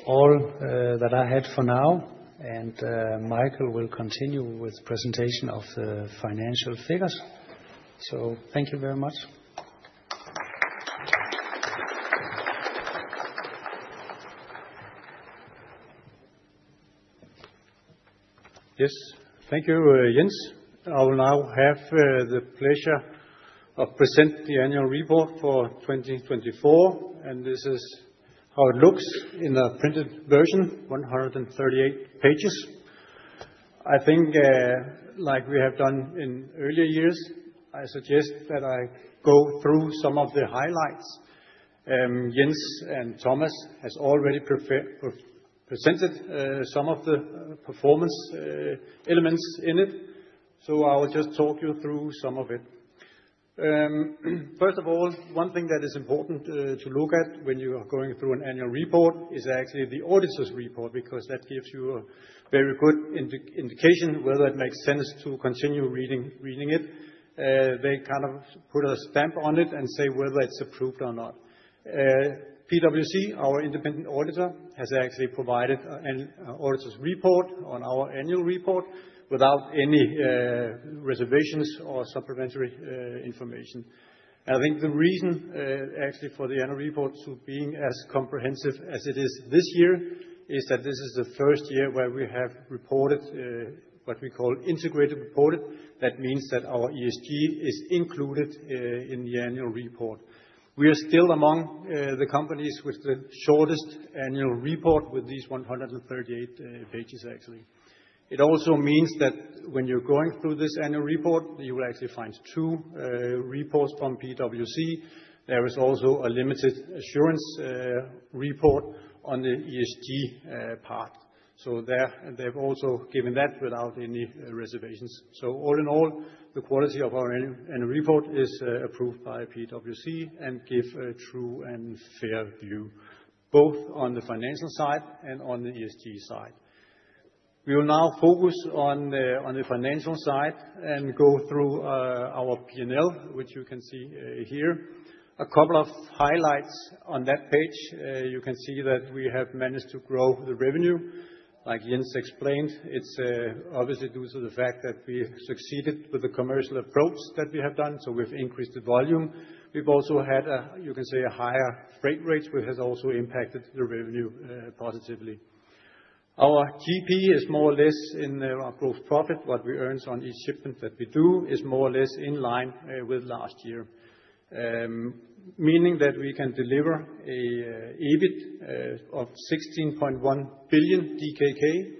all that I had for now, and Michael will continue with the presentation of the financial figures. Thank you very much. Yes. Thank you, Jens. I will now have the pleasure of presenting the annual report for 2024, and this is how it looks in the printed version, 138 pages. I think, like we have done in earlier years, I suggest that I go through some of the highlights. Jens and Thomas have already presented some of the performance elements in it, so I will just talk you through some of it. First of all, one thing that is important to look at when you are going through an annual report is actually the auditor's report, because that gives you a very good indication whether it makes sense to continue reading it. They kind of put a stamp on it and say whether it's approved or not. PwC, our independent auditor, has actually provided an auditor's report on our annual report without any reservations or supplementary information. I think the reason actually for the annual report being as comprehensive as it is this year is that this is the first year where we have reported what we call integrated reported. That means that our ESG is included in the annual report. We are still among the companies with the shortest annual report with these 138 pages, actually. It also means that when you're going through this annual report, you will actually find two reports from PwC. There is also a limited assurance report on the ESG part. They've also given that without any reservations. All in all, the quality of our annual report is approved by PwC and gives a true and fair view, both on the financial side and on the ESG side. We will now focus on the financial side and go through our P&L, which you can see here. A couple of highlights on that page. You can see that we have managed to grow the revenue. Like Jens explained, it's obviously due to the fact that we have succeeded with the commercial approach that we have done. We have increased the volume. We have also had, you can say, higher freight rates, which has also impacted the revenue positively. Our GP is more or less in our gross profit. What we earn on each shipment that we do is more or less in line with last year, meaning that we can deliver an EBIT of 16.1 billion DKK.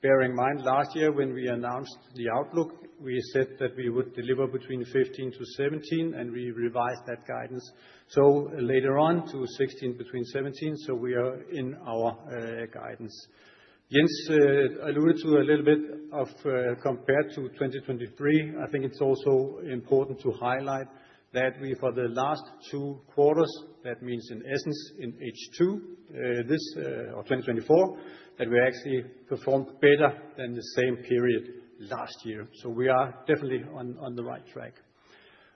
Bearing in mind, last year when we announced the outlook, we said that we would deliver between 15 billion and 17 billion, and we revised that guidance later on to 16 billion-17 billion. We are in our guidance. Jens alluded to a little bit of compared to 2023. I think it's also important to highlight that for the last two quarters, that means in essence in H2, this or 2024, that we actually performed better than the same period last year. We are definitely on the right track.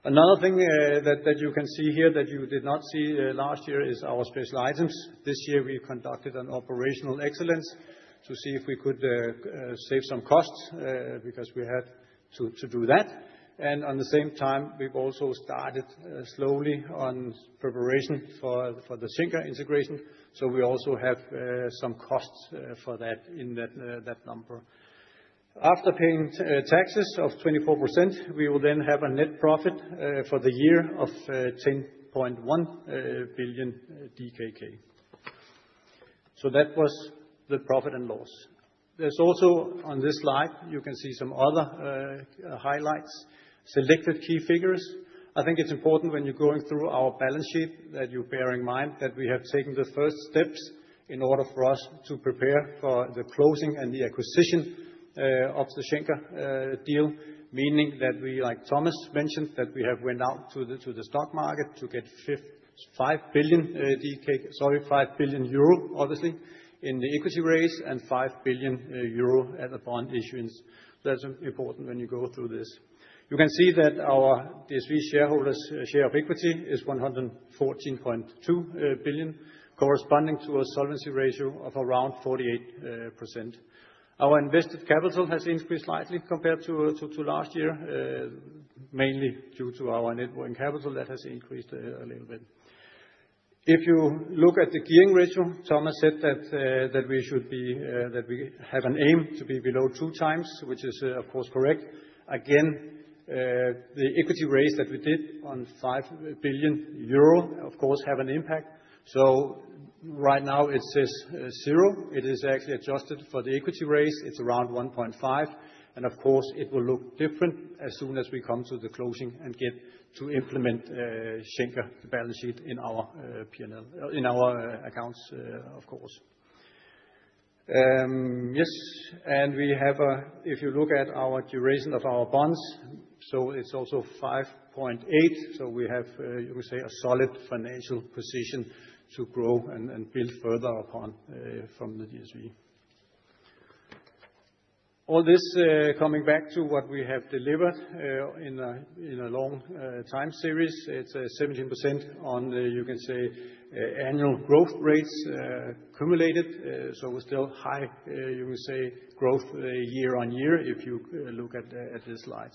Another thing that you can see here that you did not see last year is our special items. This year, we conducted an operational excellence to see if we could save some costs because we had to do that. At the same time, we've also started slowly on preparation for the Schenker integration. We also have some costs for that in that number. After paying taxes of 24%, we will then have a net profit for the year of 10.1 billion DKK. That was the profit and loss. On this slide, you can see some other highlights, selected key figures. I think it's important when you're going through our balance sheet that you bear in mind that we have taken the first steps in order for us to prepare for the closing and the acquisition of the Schenker deal, meaning that we, like Thomas mentioned, that we have went out to the stock market to get 5 billion, sorry, 5 billion euro, obviously, in the equity raise and 5 billion euro at the bond issuance. That's important when you go through this. You can see that our DSV shareholders' share of equity is 114.2 billion, corresponding to a solvency ratio of around 48%. Our invested capital has increased slightly compared to last year, mainly due to our networking capital that has increased a little bit. If you look at the gearing ratio, Thomas said that we should be, that we have an aim to be below two times, which is, of course, correct. Again, the equity raise that we did on 5 billion euro, of course, has an impact. Right now it says zero. It is actually adjusted for the equity raise. It is around 1.5. Of course, it will look different as soon as we come to the closing and get to implement Schenker balance sheet in our P&L, in our accounts, of course. Yes. If you look at our duration of our bonds, it is also 5.8. We have, you can say, a solid financial position to grow and build further upon from the DSV. All this coming back to what we have delivered in a long time series. It's 17% on, you can say, annual growth rates cumulated. We are still high, you can say, growth year on year if you look at this slide,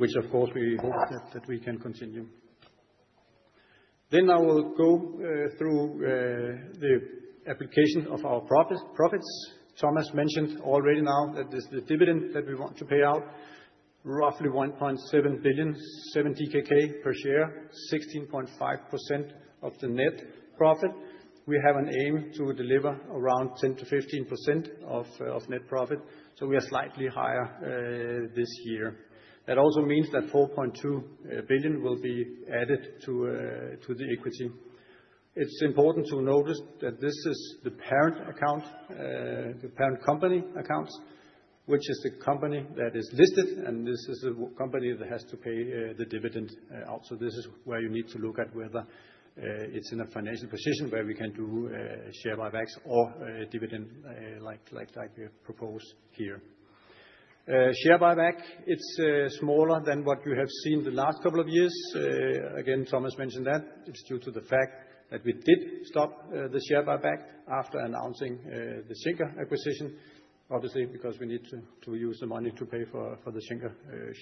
which, of course, we hope that we can continue. I will go through the application of our profits. Thomas mentioned already now that this is the dividend that we want to pay out, roughly 1.7 billion, 7 per share, 16.5% of the net profit. We have an aim to deliver around 10-15% of net profit. We are slightly higher this year. That also means that 4.2 billion will be added to the equity. It is important to notice that this is the parent account, the parent company accounts, which is the company that is listed, and this is the company that has to pay the dividend out. This is where you need to look at whether it's in a financial position where we can do share buybacks or dividend like we propose here. Share buyback, it's smaller than what you have seen the last couple of years. Again, Thomas mentioned that it's due to the fact that we did stop the share buyback after announcing the Schenker acquisition, obviously, because we need to use the money to pay for the Schenker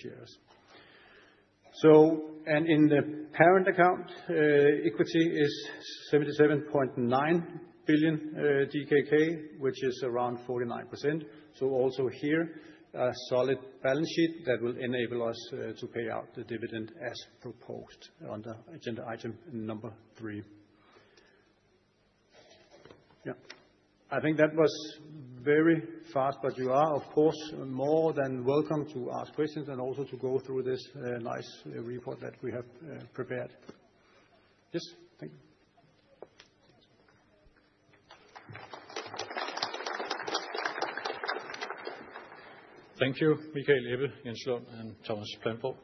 shares. In the parent account, equity is 77.9 billion DKK, which is around 49%. Also here, a solid balance sheet that will enable us to pay out the dividend as proposed under agenda item number three. I think that was very fast, but you are, of course, more than welcome to ask questions and also to go through this nice report that we have prepared. Yes. Thank you. Thank you, Michael Ebbe, Jens Lund, and Thomas Plamborg.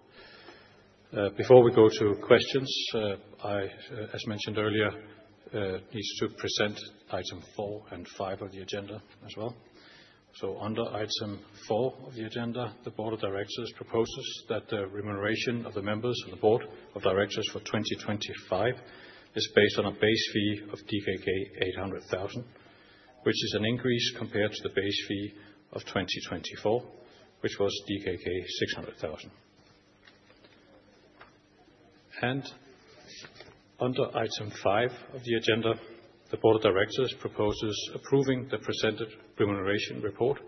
Before we go to questions, I, as mentioned earlier, need to present item four and five of the agenda as well. Under item four of the agenda, the board of directors proposes that the remuneration of the members of the board of directors for 2025 is based on a base fee of DKK 800,000, which is an increase compared to the base fee of 2024, which was DKK 600,000. Under item five of the agenda, the board of directors proposes approving the presented remuneration report,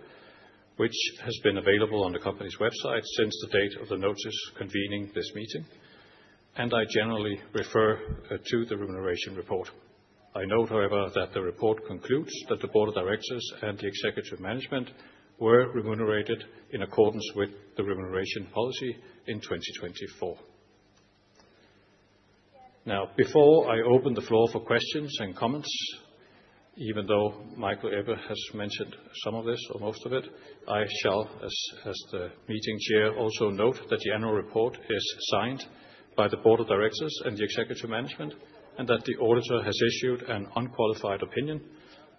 which has been available on the company's website since the date of the notice convening this meeting. I generally refer to the remuneration report. I note, however, that the report concludes that the board of directors and the executive management were remunerated in accordance with the remuneration policy in 2024. Now, before I open the floor for questions and comments, even though Michael Ebbe has mentioned some of this or most of it, I shall, as the meeting chair, also note that the annual report is signed by the Board of Directors and the Executive Management, and that the auditor has issued an unqualified opinion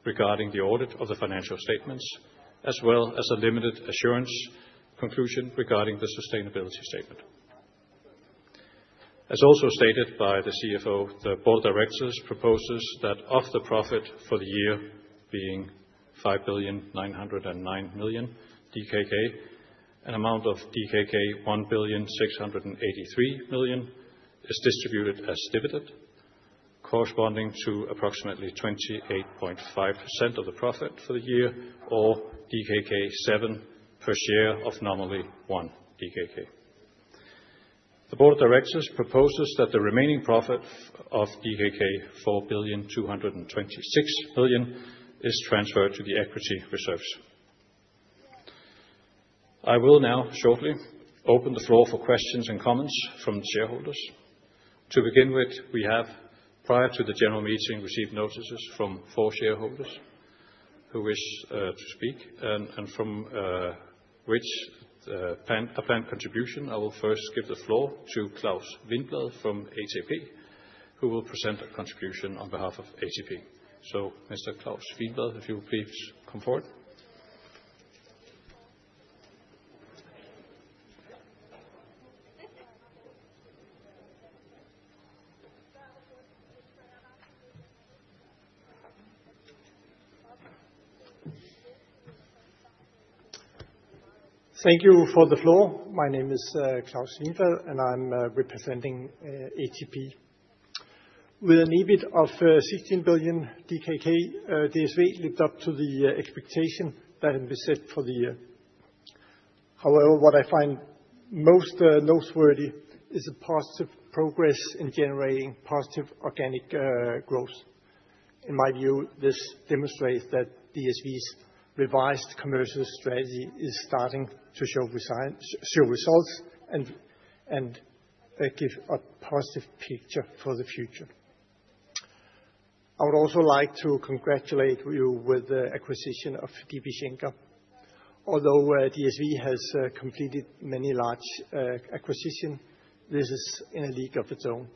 regarding the audit of the financial statements, as well as a limited assurance conclusion regarding the sustainability statement. As also stated by the CFO, the Board of Directors proposes that of the profit for the year being 5,909,000,000 DKK, an amount of DKK 1,683,000,000 is distributed as dividend, corresponding to approximately 28.5% of the profit for the year or DKK 7 per share of normally 1 DKK. The Board of Directors proposes that the remaining profit of DKK 4,226,000,000 is transferred to the equity reserves. I will now shortly open the floor for questions and comments from shareholders. To begin with, we have, prior to the general meeting, received notices from four shareholders who wish to speak and from which a planned contribution. I will first give the floor to Klaus Wienblad from ATP, who will present a contribution on behalf of ATP. Mr. Klaus Wienblad, if you will please come forward. Thank you for the floor. My name is Klaus Wienblad, and I'm representing ATP. With an EBIT of 16 billion DKK, DSV lived up to the expectation that had been set for the year. However, what I find most noteworthy is the positive progress in generating positive organic growth. In my view, this demonstrates that DSV's revised commercial strategy is starting to show results and give a positive picture for the future. I would also like to congratulate you with the acquisition of DB Schenker. Although DSV has completed many large acquisitions, this is in a league of its own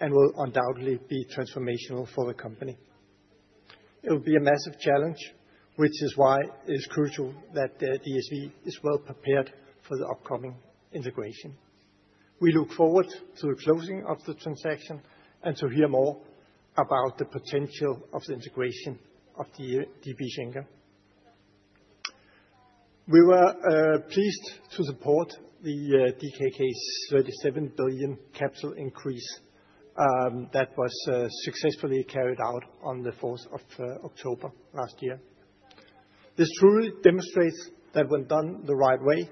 and will undoubtedly be transformational for the company. It will be a massive challenge, which is why it is crucial that DSV is well prepared for the upcoming integration. We look forward to the closing of the transaction and to hear more about the potential of the integration of DB Schenker. We were pleased to support the DKK 37 billion capital increase that was successfully carried out on the 4th of October last year. This truly demonstrates that when done the right way,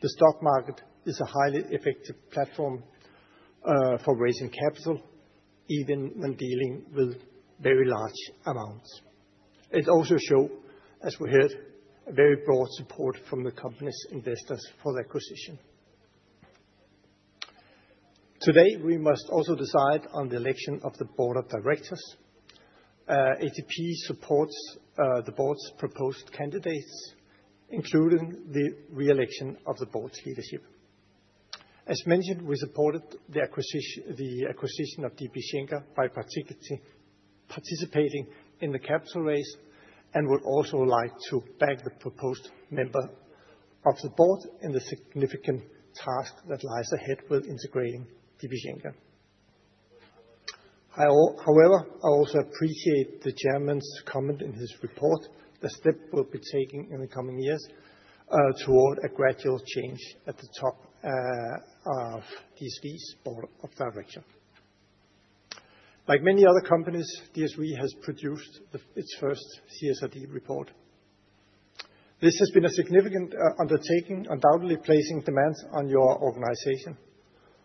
the stock market is a highly effective platform for raising capital, even when dealing with very large amounts. It also shows, as we heard, a very broad support from the company's investors for the acquisition. Today, we must also decide on the election of the board of directors. ATP supports the board's proposed candidates, including the reelection of the board's leadership. As mentioned, we supported the acquisition of DB Schenker by particularly participating in the capital raise and would also like to back the proposed member of the board in the significant task that lies ahead with integrating DB Schenker. However, I also appreciate the Chairman's comment in his report, the step we'll be taking in the coming years toward a gradual change at the top of DSV's board of directors. Like many other companies, DSV has produced its first CSRD report. This has been a significant undertaking, undoubtedly placing demands on your organization.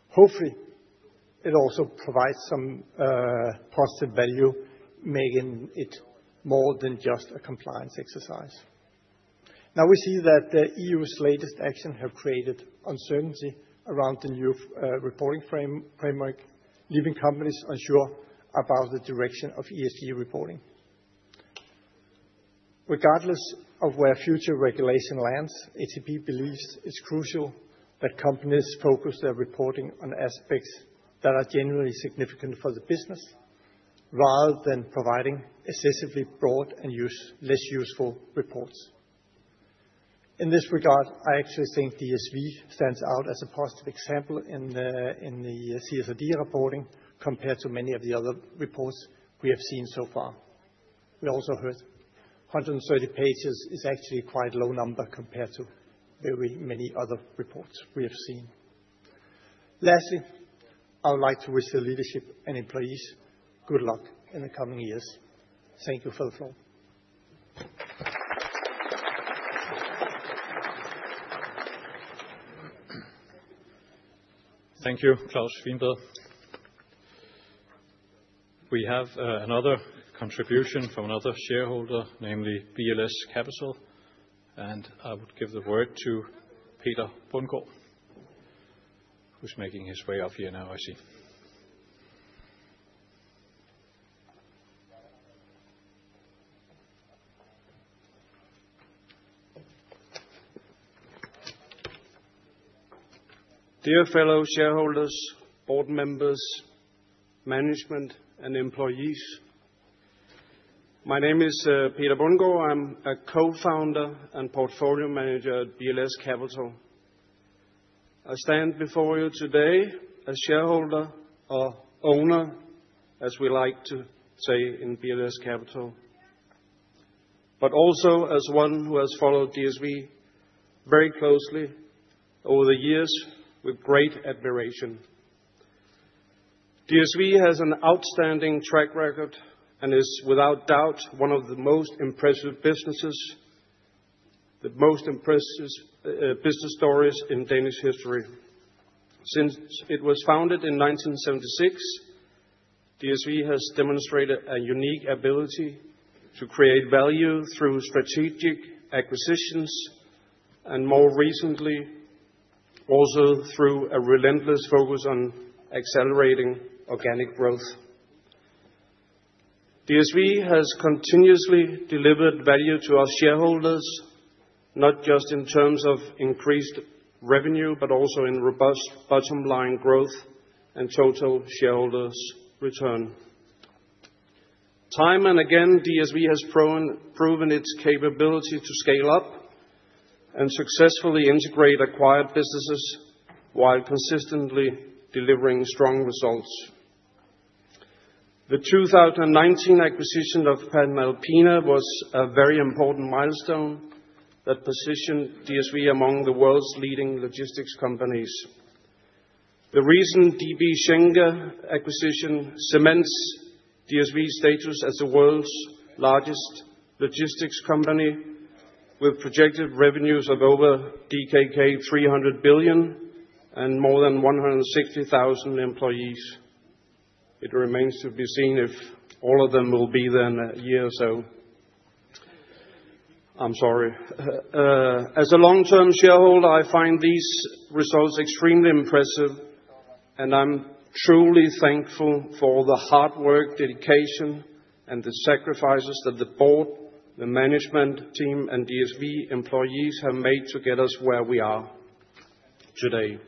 Hopefully, it also provides some positive value, making it more than just a compliance exercise. Now, we see that the EU's latest actions have created uncertainty around the new reporting framework, leaving companies unsure about the direction of ESG reporting. Regardless of where future regulation lands, ATP believes it's crucial that companies focus their reporting on aspects that are generally significant for the business rather than providing excessively broad and less useful reports. In this regard, I actually think DSV stands out as a positive example in the CSRD reporting compared to many of the other reports we have seen so far. We also heard 130 pages is actually quite a low number compared to very many other reports we have seen. Lastly, I would like to wish the leadership and employees good luck in the coming years. Thank you for the floor. Thank you, Klaus Wienblad. We have another contribution from another shareholder, namely BLS Capital. I would give the word to Peter Bang, who's making his way up here now, I see. Dear fellow shareholders, board members, management, and employees, my name is Peter Bang. I'm a co-founder and portfolio manager at BLS Capital. I stand before you today as shareholder or owner, as we like to say in BLS Capital, but also as one who has followed DSV very closely over the years with great admiration. DSV has an outstanding track record and is without doubt one of the most impressive businesses, the most impressive business stories in Danish history. Since it was founded in 1976, DSV has demonstrated a unique ability to create value through strategic acquisitions and, more recently, also through a relentless focus on accelerating organic growth. DSV has continuously delivered value to our shareholders, not just in terms of increased revenue, but also in robust bottom line growth and total shareholders' return. Time and again, DSV has proven its capability to scale up and successfully integrate acquired businesses while consistently delivering strong results. The 2019 acquisition of Panalpina was a very important milestone that positioned DSV among the world's leading logistics companies. The recent DB Schenker acquisition cements DSV's status as the world's largest logistics company, with projected revenues of over DKK 300 billion and more than 160,000 employees. It remains to be seen if all of them will be there in a year or so. I'm sorry. As a long-term shareholder, I find these results extremely impressive, and I'm truly thankful for the hard work, dedication, and the sacrifices that the board, the management team, and DSV employees have made to get us where we are today.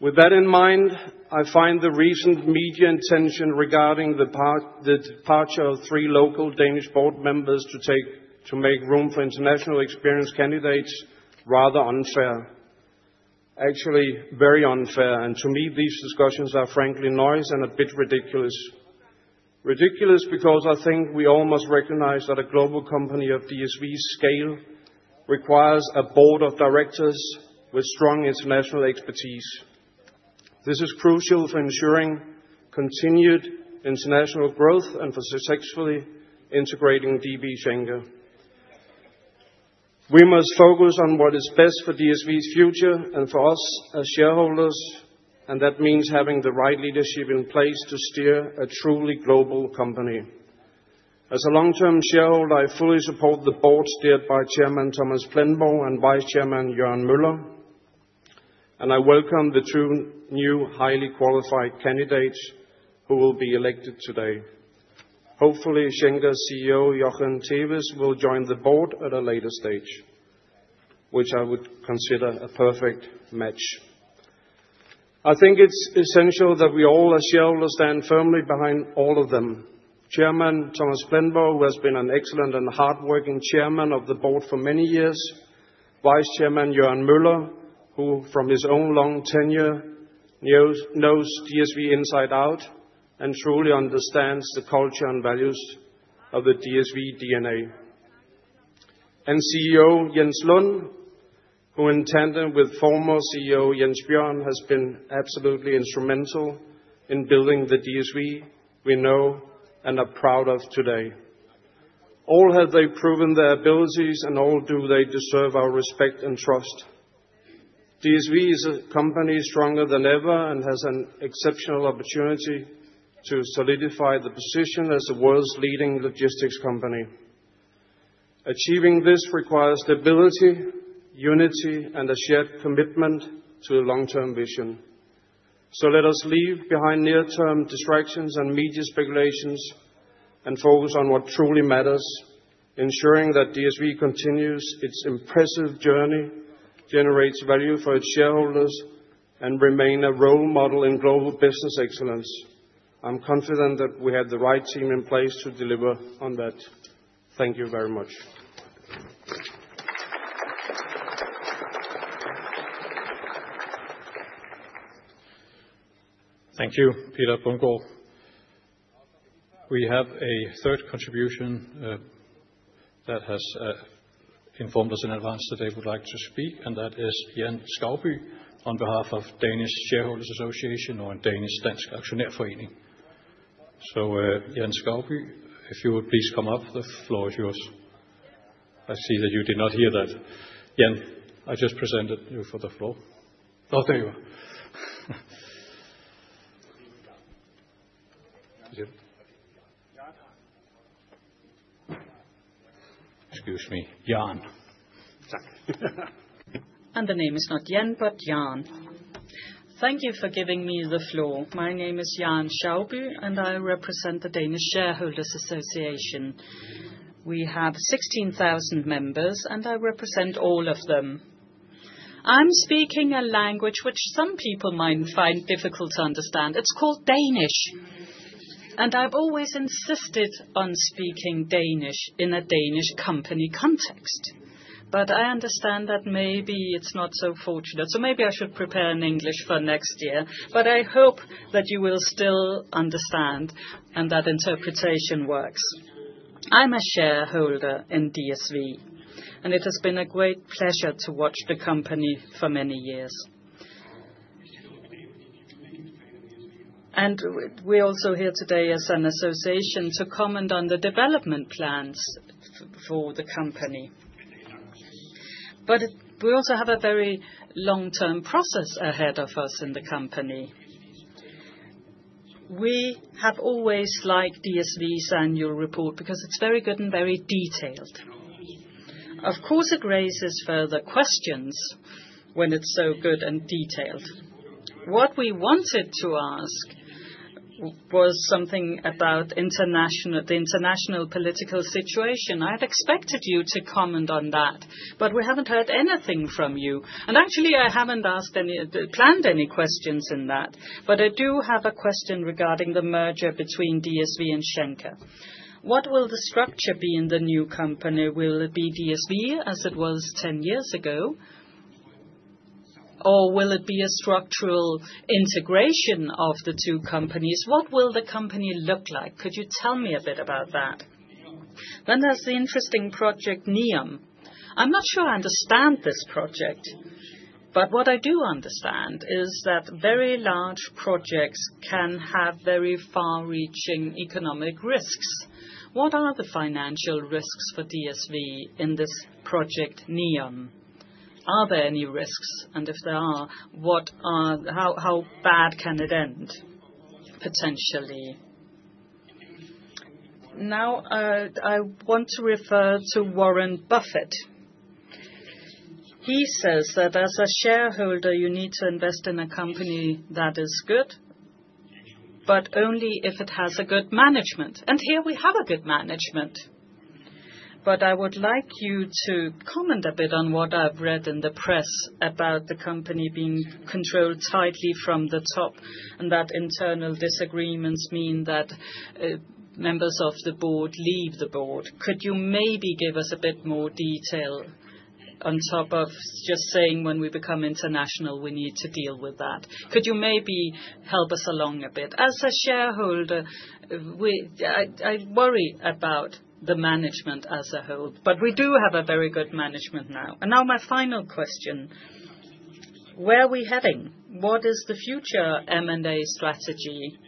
With that in mind, I find the recent media intention regarding the departure of three local Danish board members to make room for international experience candidates rather unfair, actually very unfair. To me, these discussions are frankly noisy and a bit ridiculous. Ridiculous because I think we all must recognize that a global company of DSV's scale requires a board of directors with strong international expertise. This is crucial for ensuring continued international growth and for successfully integrating DB Schenker. We must focus on what is best for DSV's future and for us as shareholders, and that means having the right leadership in place to steer a truly global company. As a long-term shareholder, I fully support the board steered by Chairman Thomas Plamborg and Vice Chairman Jørgen Møller, and I welcome the two new highly qualified candidates who will be elected today. Hopefully, Schenker's CEO, Jochen Thewes, will join the board at a later stage, which I would consider a perfect match. I think it's essential that we all as shareholders stand firmly behind all of them. Chairman Thomas Plamborg, who has been an excellent and hardworking Chairman of the Board for many years, Vice Chairman Jørgen Møller, who from his own long tenure knows DSV inside out and truly understands the culture and values of the DSV DNA, and CEO Jens Lund, who in tandem with former CEO Jens Bjørn has been absolutely instrumental in building the DSV we know and are proud of today. All have they proven their abilities, and all do they deserve our respect and trust. DSV is a company stronger than ever and has an exceptional opportunity to solidify the position as a world's leading logistics company. Achieving this requires stability, unity, and a shared commitment to a long-term vision. Let us leave behind near-term distractions and media speculations and focus on what truly matters, ensuring that DSV continues its impressive journey, generates value for its shareholders, and remains a role model in global business excellence. I'm confident that we have the right team in place to deliver on that. Thank you very much. Thank you, Peter Bang. We have a third contribution that has informed us in advance that they would like to speak, and that is Jan Skovby on behalf of Danish Shareholders Association or Dansk Aktionærforening. Jan Skovby, if you would please come up, the floor is yours. I see that you did not hear that. Jan, I just presented you for the floor. Oh, there you are. Excuse me, Jan. And the name is not Jen, but Jan. Thank you for giving me the floor. My name is Jan Skovby, and I represent the Danish Shareholders Association. We have 16,000 members, and I represent all of them. I'm speaking a language which some people might find difficult to understand. It's called Danish, and I've always insisted on speaking Danish in a Danish company context. I understand that maybe it's not so fortunate. Maybe I should prepare in English for next year, but I hope that you will still understand and that interpretation works. I'm a shareholder in DSV, and it has been a great pleasure to watch the company for many years. We are also here today as an association to comment on the development plans for the company. We also have a very long-term process ahead of us in the company. We have always liked DSV's annual report because it's very good and very detailed. Of course, it raises further questions when it's so good and detailed. What we wanted to ask was something about the international political situation. I had expected you to comment on that, but we haven't heard anything from you. Actually, I haven't planned any questions in that, but I do have a question regarding the merger between DSV and Schenker. What will the structure be in the new company? Will it be DSV as it was 10 years ago, or will it be a structural integration of the two companies? What will the company look like? Could you tell me a bit about that? There is the interesting project Neom. I'm not sure I understand this project, but what I do understand is that very large projects can have very far-reaching economic risks. What are the financial risks for DSV in this project Neom? Are there any risks? If there are, how bad can it end potentially? I want to refer to Warren Buffett. He says that as a shareholder, you need to invest in a company that is good, but only if it has a good management. Here we have a good management. I would like you to comment a bit on what I've read in the press about the company being controlled tightly from the top and that internal disagreements mean that members of the board leave the board. Could you maybe give us a bit more detail on top of just saying when we become international, we need to deal with that? Could you maybe help us along a bit? As a shareholder, I worry about the management as a whole, but we do have a very good management now. Now my final question. Where are we heading? What is the future M&A strategy?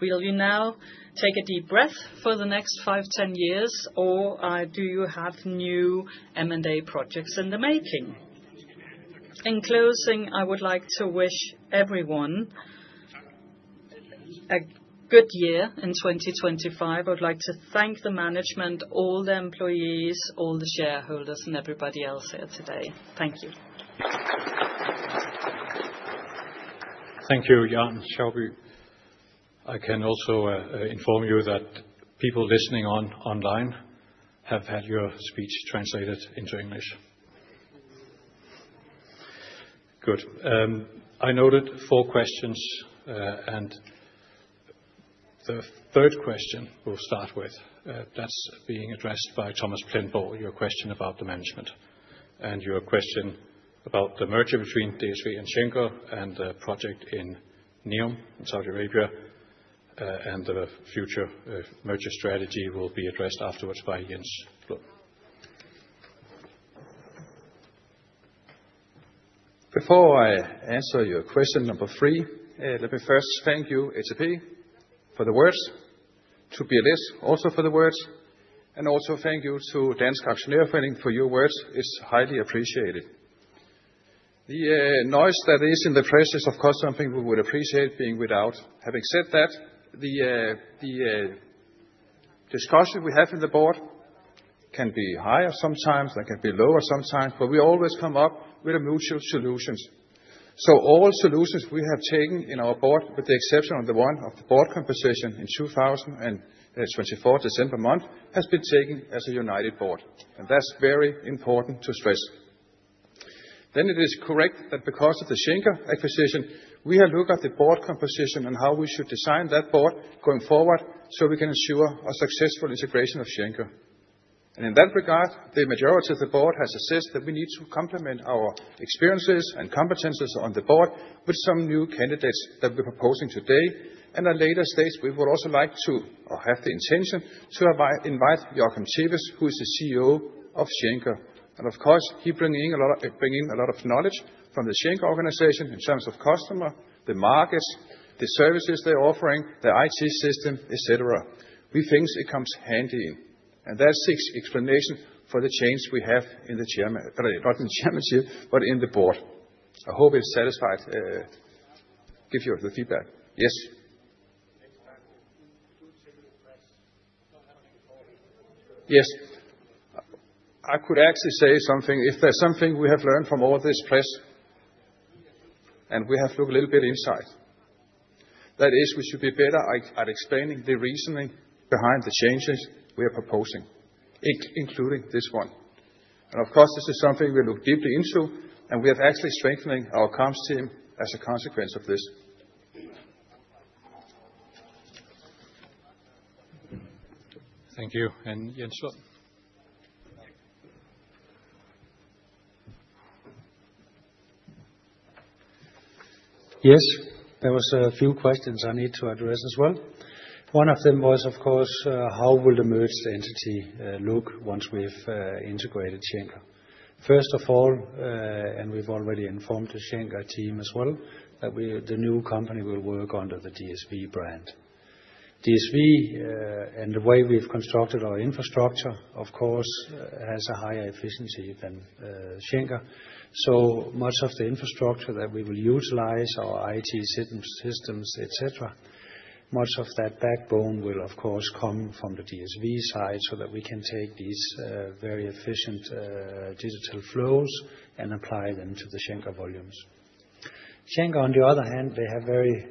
Will you now take a deep breath for the next five, ten years, or do you have new M&A projects in the making? In closing, I would like to wish everyone a good year in 2025. I would like to thank the management, all the employees, all the shareholders, and everybody else here today. Thank you. Thank you, Jan Skovby. I can also inform you that people listening online have had your speech translated into English. Good. I noted four questions, and the third question we'll start with, that's being addressed by Thomas Plamborg, your question about the management and your question about the merger between DSV and Schenker and the project in Neom in Saudi Arabia and the future merger strategy will be addressed afterwards by Jens Lund. Before I answer your question number three, let me first thank you, ATP, for the words, to BLS also for the words, and also thank you to Dansk Aktionærforening for your words. It's highly appreciated. The noise that is in the press is, of course, something we would appreciate being without. Having said that, the discussion we have in the board can be higher sometimes, that can be lower sometimes, but we always come up with mutual solutions. All solutions we have taken in our board, with the exception of the one of the board composition in 2024, December month, have been taken as a united board. That is very important to stress. It is correct that because of the Schenker acquisition, we have looked at the board composition and how we should design that board going forward so we can ensure a successful integration of Schenker. In that regard, the majority of the board has assessed that we need to complement our experiences and competencies on the board with some new candidates that we're proposing today. At later stages, we would also like to, or have the intention, to invite Jochen Thewes, who is the CEO of Schenker. Of course, he brings in a lot of knowledge from the Schenker organization in terms of customers, the markets, the services they're offering, the IT system, etc. We think it comes handy in. That's the explanation for the change we have in the chairman, not in the chairmanship, but in the board. I hope it satisfies, give you the feedback. Yes. Yes. I could actually say something. If there's something we have learned from all this press and we have looked a little bit inside, that is, we should be better at explaining the reasoning behind the changes we are proposing, including this one. Of course, this is something we look deeply into, and we have actually strengthened our comms team as a consequence of this. Thank you. Jens? Yes, there were a few questions I need to address as well. One of them was, of course, how will the merged entity look once we've integrated Schenker? First of all, and we've already informed the Schenker team as well, the new company will work under the DSV brand. DSV, and the way we've constructed our infrastructure, of course, has a higher efficiency than Schenker. Much of the infrastructure that we will utilize, our IT systems, etc., much of that backbone will, of course, come from the DSV side so that we can take these very efficient digital flows and apply them to the Schenker volumes. Schenker, on the other hand, they have very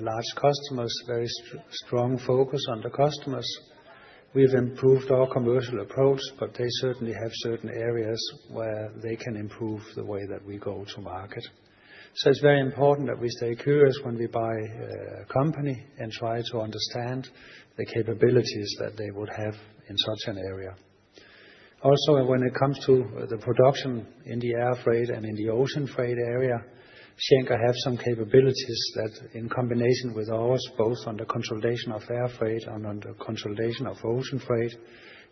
large customers, very strong focus on the customers. We've improved our commercial approach, but they certainly have certain areas where they can improve the way that we go to market. It is very important that we stay curious when we buy a company and try to understand the capabilities that they would have in such an area. Also, when it comes to the production in the air freight and in the ocean freight area, Schenker has some capabilities that, in combination with ours, both on the consolidation of air freight and on the consolidation of ocean freight,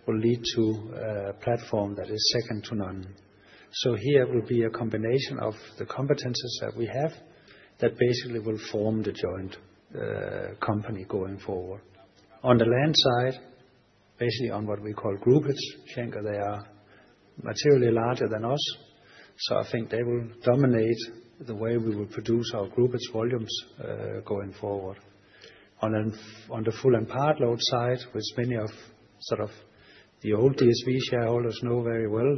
will lead to a platform that is second to none. Here will be a combination of the competencies that we have that basically will form the joint company going forward. On the land side, basically on what we call groupers, Schenker, they are materially larger than us. I think they will dominate the way we will produce our groupers volumes going forward. On the full and part load side, which many of the old DSV shareholders know very well,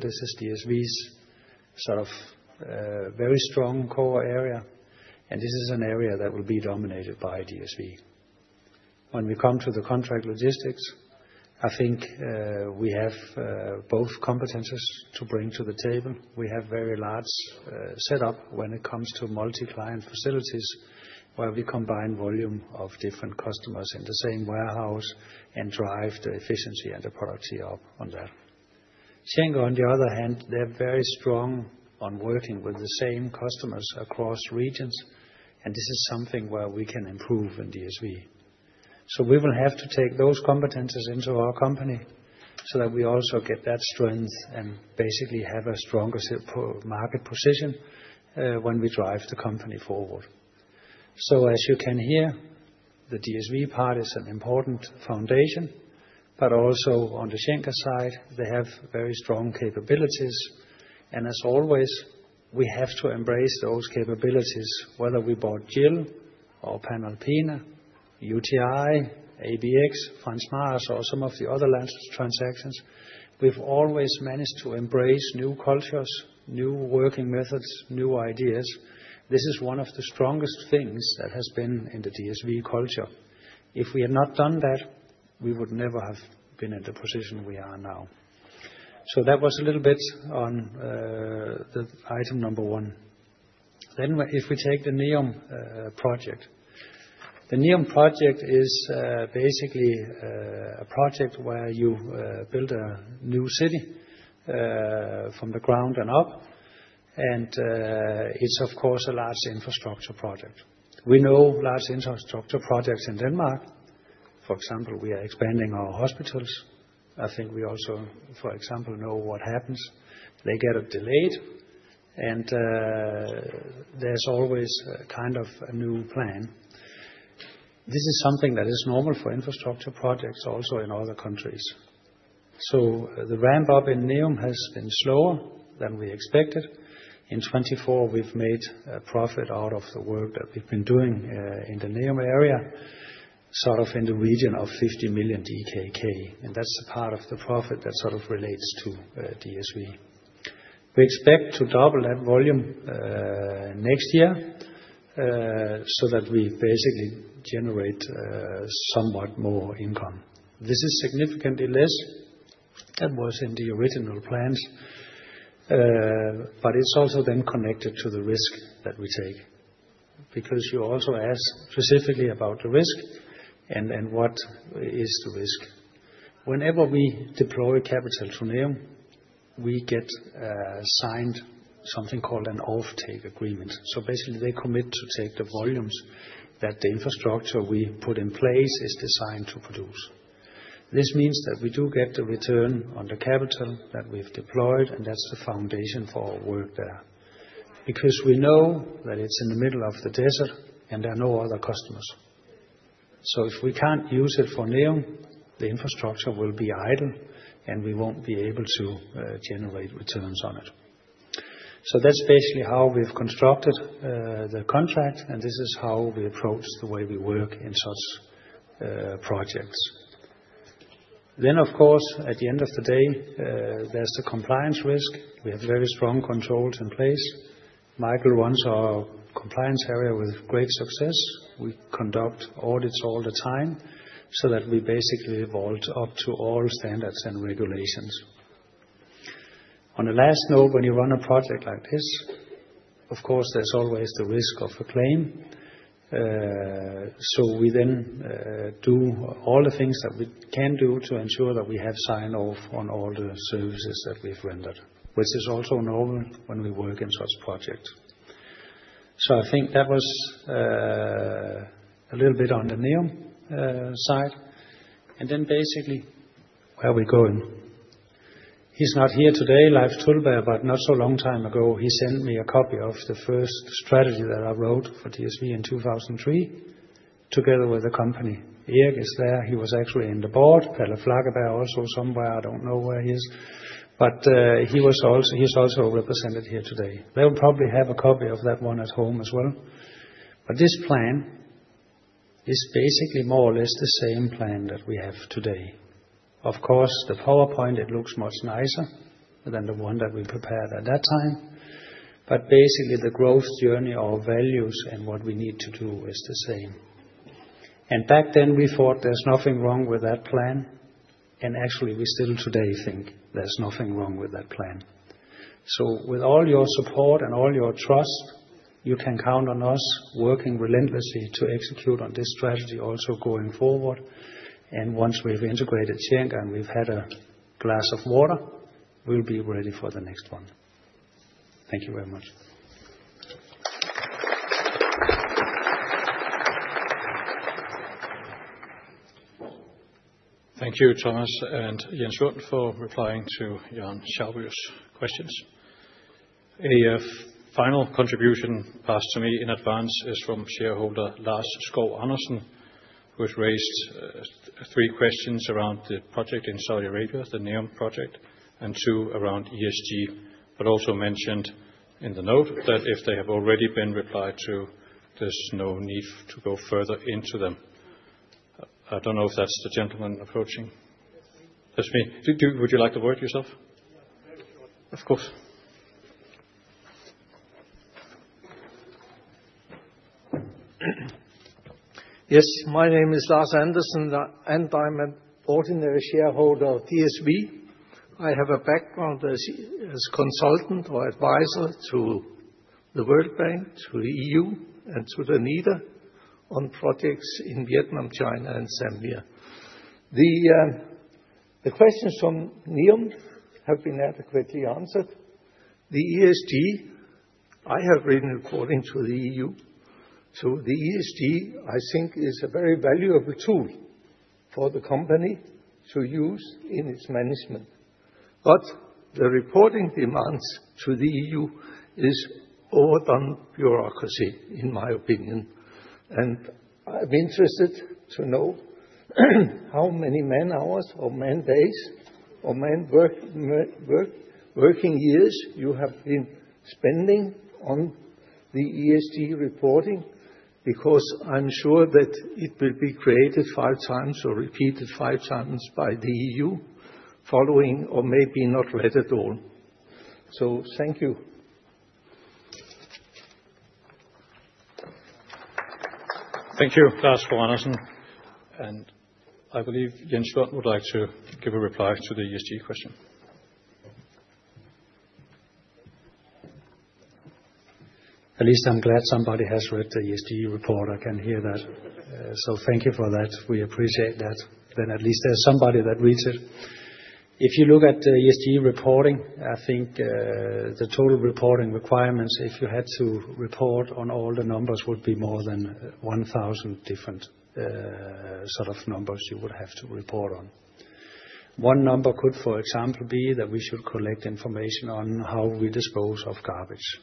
this is DSV's very strong core area, and this is an area that will be dominated by DSV. When we come to the contract logistics, I think we have both competencies to bring to the table. We have a very large setup when it comes to multi-client facilities where we combine volume of different customers in the same warehouse and drive the efficiency and the productivity up on that. Schenker, on the other hand, they're very strong on working with the same customers across regions, and this is something where we can improve in DSV. We will have to take those competencies into our company so that we also get that strength and basically have a stronger market position when we drive the company forward. As you can hear, the DSV part is an important foundation, but also on the Schenker side, they have very strong capabilities. As always, we have to embrace those capabilities, whether we bought Jill or Panalpina, UTi, ABX, Franz Hansen, or some of the other land transactions. We've always managed to embrace new cultures, new working methods, new ideas. This is one of the strongest things that has been in the DSV culture. If we had not done that, we would never have been in the position we are now. That was a little bit on the item number one. If we take the Neom project, the Neom project is basically a project where you build a new city from the ground and up, and it's, of course, a large infrastructure project. We know large infrastructure projects in Denmark. For example, we are expanding our hospitals. I think we also, for example, know what happens. They get delayed, and there's always kind of a new plan. This is something that is normal for infrastructure projects also in other countries. The ramp-up in Neom has been slower than we expected. In 2024, we've made a profit out of the work that we've been doing in the Neom area, sort of in the region of 50 million DKK, and that's the part of the profit that sort of relates to DSV. We expect to double that volume next year so that we basically generate somewhat more income. This is significantly less than was in the original plan, but it's also then connected to the risk that we take because you also ask specifically about the risk and what is the risk. Whenever we deploy capital to Neom, we get signed something called an off-take agreement. Basically, they commit to take the volumes that the infrastructure we put in place is designed to produce. This means that we do get the return on the capital that we've deployed, and that's the foundation for our work there because we know that it's in the middle of the desert and there are no other customers. If we can't use it for Neom, the infrastructure will be idle, and we won't be able to generate returns on it. That's basically how we've constructed the contract, and this is how we approach the way we work in such projects. Of course, at the end of the day, there's the compliance risk. We have very strong controls in place. Michael runs our compliance area with great success. We conduct audits all the time so that we basically evolve up to all standards and regulations. On the last note, when you run a project like this, of course, there's always the risk of a claim. We then do all the things that we can do to ensure that we have signed off on all the services that we've rendered, which is also normal when we work in such projects. I think that was a little bit on the Neom side. Basically, where are we going? He's not here today, Leif Trelberg, but not so long time ago, he sent me a copy of the first strategy that I wrote for DSV in 2003 together with the company. Erik is there. He was actually in the board. Per Flemming Bank also somewhere. I don't know where he is, but he's also represented here today. They'll probably have a copy of that one at home as well. This plan is basically more or less the same plan that we have today. Of course, the PowerPoint, it looks much nicer than the one that we prepared at that time, but basically, the growth journey or values and what we need to do is the same. Back then, we thought there's nothing wrong with that plan, and actually, we still today think there's nothing wrong with that plan. With all your support and all your trust, you can count on us working relentlessly to execute on this strategy also going forward. Once we've integrated Schenker and we've had a glass of water, we'll be ready for the next one. Thank you very much. Thank you, Thomas and Jens, for replying to Jan Skovby's questions. A final contribution passed to me in advance is from shareholder Lars Skov Andersen, who has raised three questions around the project in Saudi Arabia, the Neom project, and two around ESG, but also mentioned in the note that if they have already been replied to, there's no need to go further into them. I don't know if that's the gentleman approaching. That's me. That's me. Would you like to work yourself? Of course. Yes. My name is Lars Andersen, and I'm an ordinary shareholder of DSV. I have a background as a consultant or advisor to the World Bank, to the EU, and to the NEDA on projects in Vietnam, China, and Sambia. The questions from Neom have been adequately answered. The ESG, I have written according to the EU. So the ESG, I think, is a very valuable tool for the company to use in its management. The reporting demands to the EU is overdone bureaucracy, in my opinion. I'm interested to know how many man-hours or man-days or man-working years you have been spending on the ESG reporting because I'm sure that it will be created five times or repeated five times by the EU, following or maybe not read at all. Thank you. Thank you, Lars Andersen. I believe Jens would like to give a reply to the ESG question. At least I'm glad somebody has read the ESG report. I can hear that. Thank you for that. We appreciate that. At least there's somebody that reads it. If you look at the ESG reporting, I think the total reporting requirements, if you had to report on all the numbers, would be more than 1,000 different sort of numbers you would have to report on. One number could, for example, be that we should collect information on how we dispose of garbage.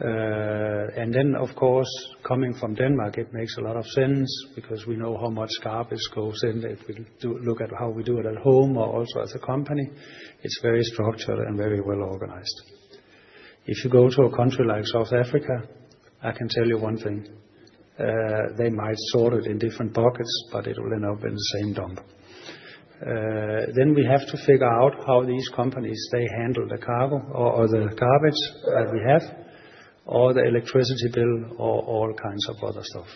Of course, coming from Denmark, it makes a lot of sense because we know how much garbage goes in. It will look at how we do it at home or also as a company. It is very structured and very well organized. If you go to a country like South Africa, I can tell you one thing. They might sort it in different pockets, but it will end up in the same dump. We have to figure out how these companies handle the cargo or the garbage that we have or the electricity bill or all kinds of other stuff.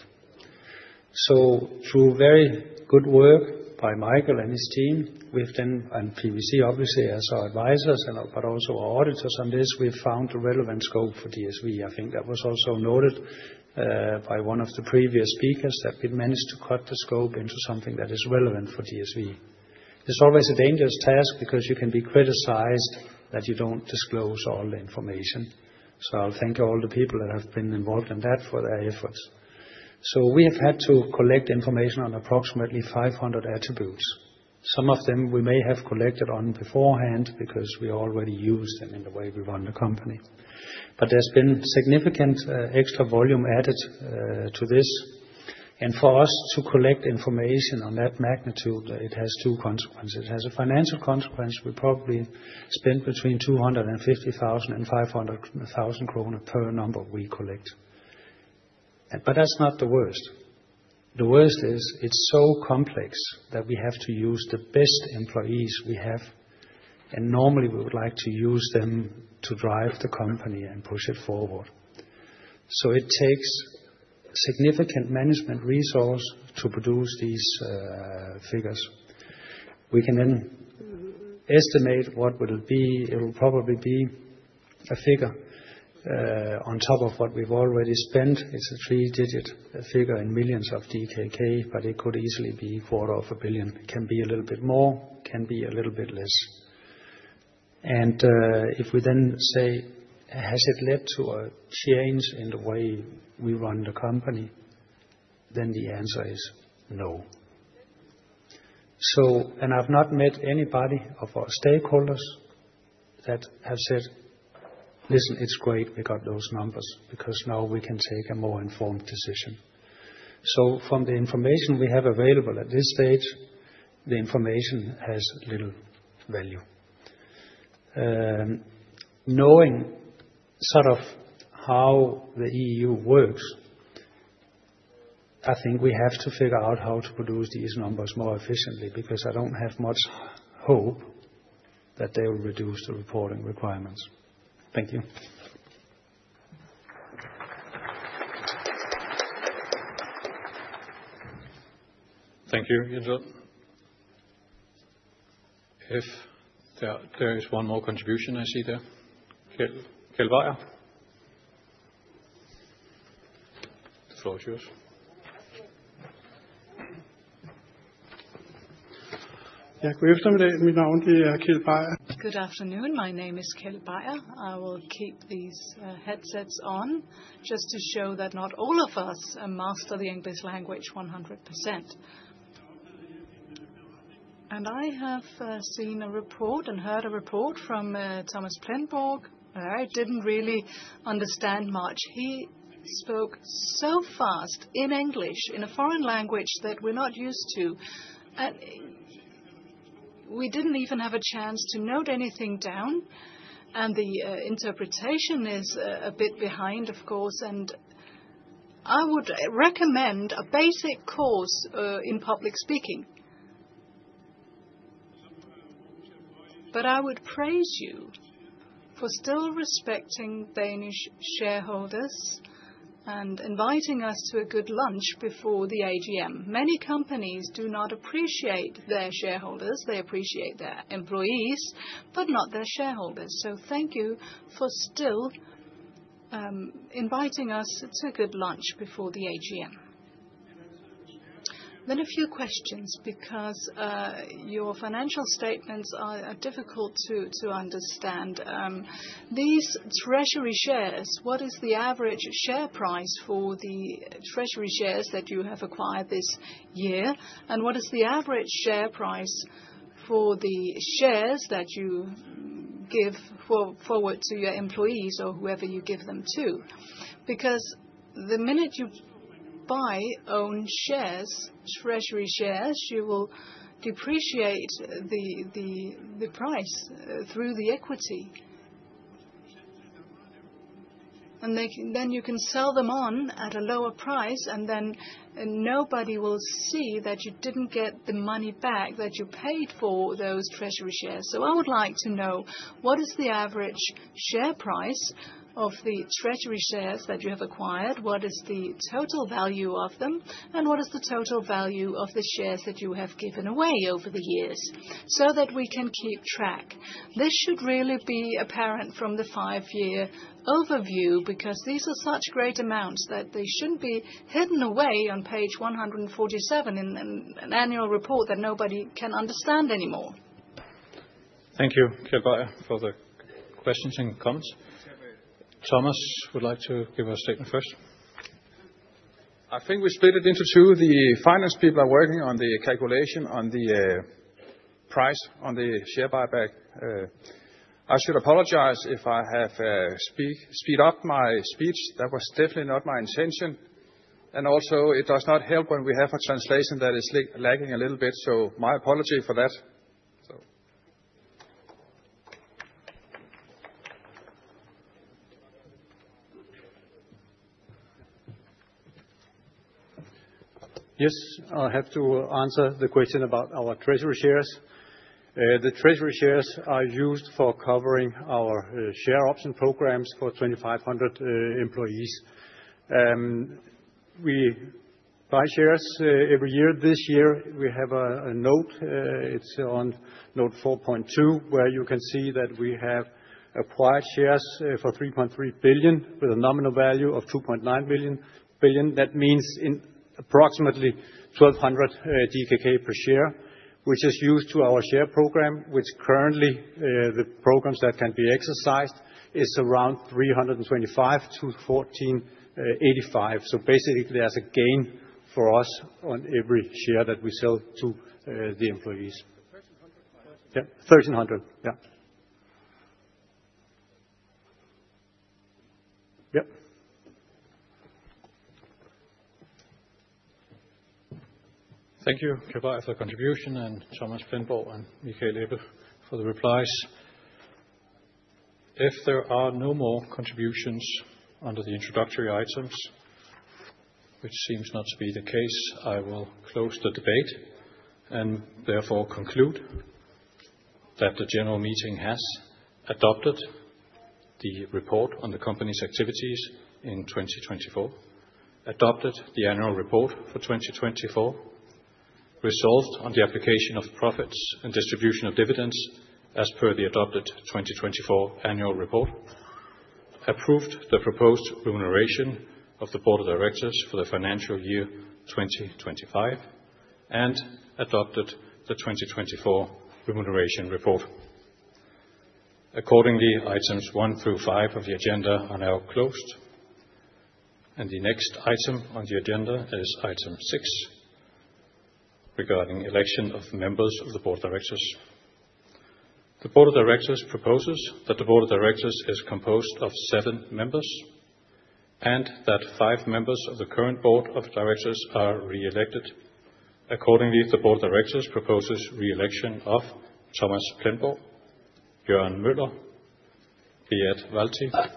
Through very good work by Michael and his team, we've then, and PwC obviously as our advisors, but also our auditors on this, we've found a relevant scope for DSV. I think that was also noted by one of the previous speakers that we've managed to cut the scope into something that is relevant for DSV. It's always a dangerous task because you can be criticized that you don't disclose all the information. I'll thank all the people that have been involved in that for their efforts. We have had to collect information on approximately 500 attributes. Some of them we may have collected on beforehand because we already use them in the way we run the company. There has been significant extra volume added to this. For us to collect information on that magnitude, it has two consequences. It has a financial consequence. We probably spend between 250,000 and 500,000 kroner per number we collect. That is not the worst. The worst is it's so complex that we have to use the best employees we have, and normally we would like to use them to drive the company and push it forward. It takes significant management resources to produce these figures. We can then estimate what will be. It will probably be a figure on top of what we've already spent. It is a three-digit figure in millions of DKK, but it could easily be a quarter of a billion. It can be a little bit more, can be a little bit less. If we then say, has it led to a change in the way we run the company, the answer is no. I've not met anybody of our stakeholders that have said, listen, it's great we got those numbers because now we can take a more informed decision. From the information we have available at this stage, the information has little value. Knowing sort of how the EU works, I think we have to figure out how to produce these numbers more efficiently because I don't have much hope that they will reduce the reporting requirements. Thank you. Thank you, Jensen. If there is one more contribution I see there, Kjeld Beyer. The floor is yours. Ja, god eftermiddag. Mit navn Kjeld Beyer. Good afternoon. My name is Kjeld Beyer. I will keep these headsets on just to show that not all of us master the English language 100%. I have seen a report and heard a report from Thomas Plamborg. I didn't really understand much. He spoke so fast in English, in a foreign language that we're not used to. We didn't even have a chance to note anything down, and the interpretation is a bit behind, of course. I would recommend a basic course in public speaking. I would praise you for still respecting Danish shareholders and inviting us to a good lunch before the AGM. Many companies do not appreciate their shareholders. They appreciate their employees, but not their shareholders. Thank you for still inviting us to a good lunch before the AGM. A few questions because your financial statements are difficult to understand. These treasury shares, what is the average share price for the treasury shares that you have acquired this year? What is the average share price for the shares that you give forward to your employees or whoever you give them to? Because the minute you buy own shares, treasury shares, you will depreciate the price through the equity. Then you can sell them on at a lower price, and then nobody will see that you did not get the money back that you paid for those treasury shares. I would like to know, what is the average share price of the treasury shares that you have acquired? What is the total value of them? What is the total value of the shares that you have given away over the years so that we can keep track? This should really be apparent from the five-year overview because these are such great amounts that they should not be hidden away on page 147 in an annual report that nobody can understand anymore. Thank you, Kjeld Beyer, for the questions and comments. Thomas would like to give a statement first. I think we split it into two. The finance people are working on the calculation on the price on the share buyback. I should apologize if I have speed up my speech. That was definitely not my intention. It does not help when we have a translation that is lagging a little bit. My apology for that. Yes, I have to answer the question about our treasury shares. The treasury shares are used for covering our share option programs for 2,500 employees. We buy shares every year. This year, we have a note. It is on note 4.2, where you can see that we have acquired shares for 3.3 billion with a nominal value of 2.9 billion. That means approximately 1,200 DKK per share, which is used to our share program, which currently, the programs that can be exercised is around 325-1,485. Basically, there's a gain for us on every share that we sell to the employees. 1,300. Yeah. Yeah. Thank you, Kjeld Beyer, for the contribution, and Thomas Plamborg and Michael Ebbe for the replies. If there are no more contributions under the introductory items, which seems not to be the case, I will close the debate and therefore conclude that the general meeting has adopted the report on the company's activities in 2024, adopted the annual report for 2024, resolved on the application of profits and distribution of dividends as per the adopted 2024 annual report, approved the proposed remuneration of the board of directors for the financial year 2025, and adopted the 2024 remuneration report. Accordingly, items one through five of the agenda are now closed. The next item on the agenda is item six regarding election of members of the board of directors. The board of directors proposes that the board of directors is composed of seven members and that five members of the current board of directors are re-elected. Accordingly, the board of directors proposes re-election of Thomas Plamborg, Jørgen Møller, Beat Walther,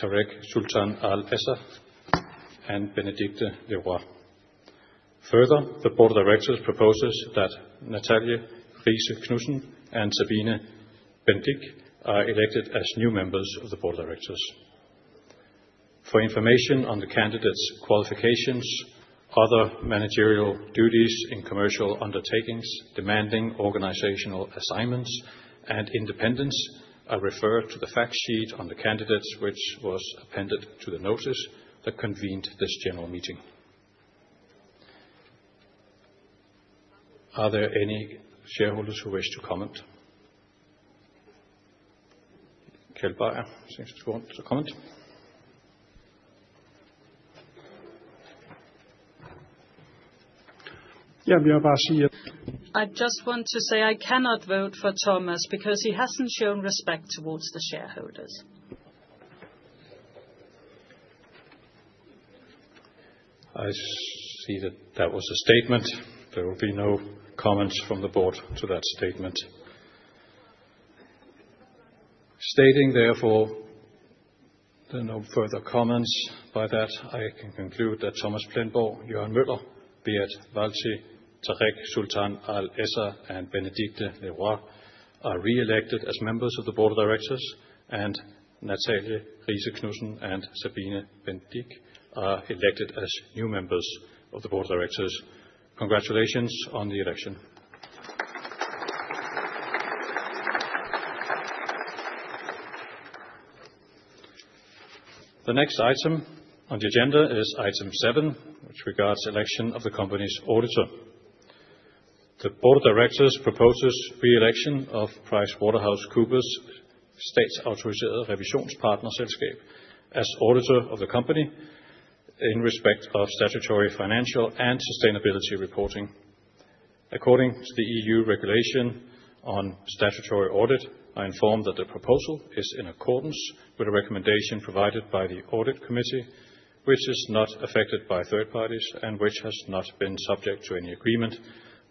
Tarek Sultan Al-Essa, and Benedicte Leroy. Further, the board of directors proposes that Natalie Riise-Knudsen and Sabine Bendiek are elected as new members of the board of directors. For information on the candidates' qualifications, other managerial duties in commercial undertakings, demanding organizational assignments, and independence, I refer to the fact sheet on the candidates, which was appended to the notice that convened this general meeting. Are there any shareholders who wish to comment? Kjeld Beyer, want to comment? Ja, jeg vil bare sige. I just want to say I cannot vote for Thomas because he hasn't shown respect towards the shareholders. I see that that was a statement. There will be no comments from the board to that statement. Stating therefore there are no further comments by that, I can conclude that Thomas Plamborg, Jørgen Møller, Beat Walther, Tarek Sultan Al-Essa, and Benedicte Leroy are re-elected as members of the board of directors, and Natalie Riise-Knudsen and Sabine Bendiek are elected as new members of the board of directors. Congratulations on the election. The next item on the agenda is item seven, which regards the election of the company's auditor. The board of directors proposes re-election of PricewaterhouseCoopers statsautoriseret revisionspartnerselskab as auditor of the company in respect of statutory financial and sustainability reporting. According to the EU regulation on statutory audit, I inform that the proposal is in accordance with the recommendation provided by the audit committee, which is not affected by third parties and which has not been subject to any agreement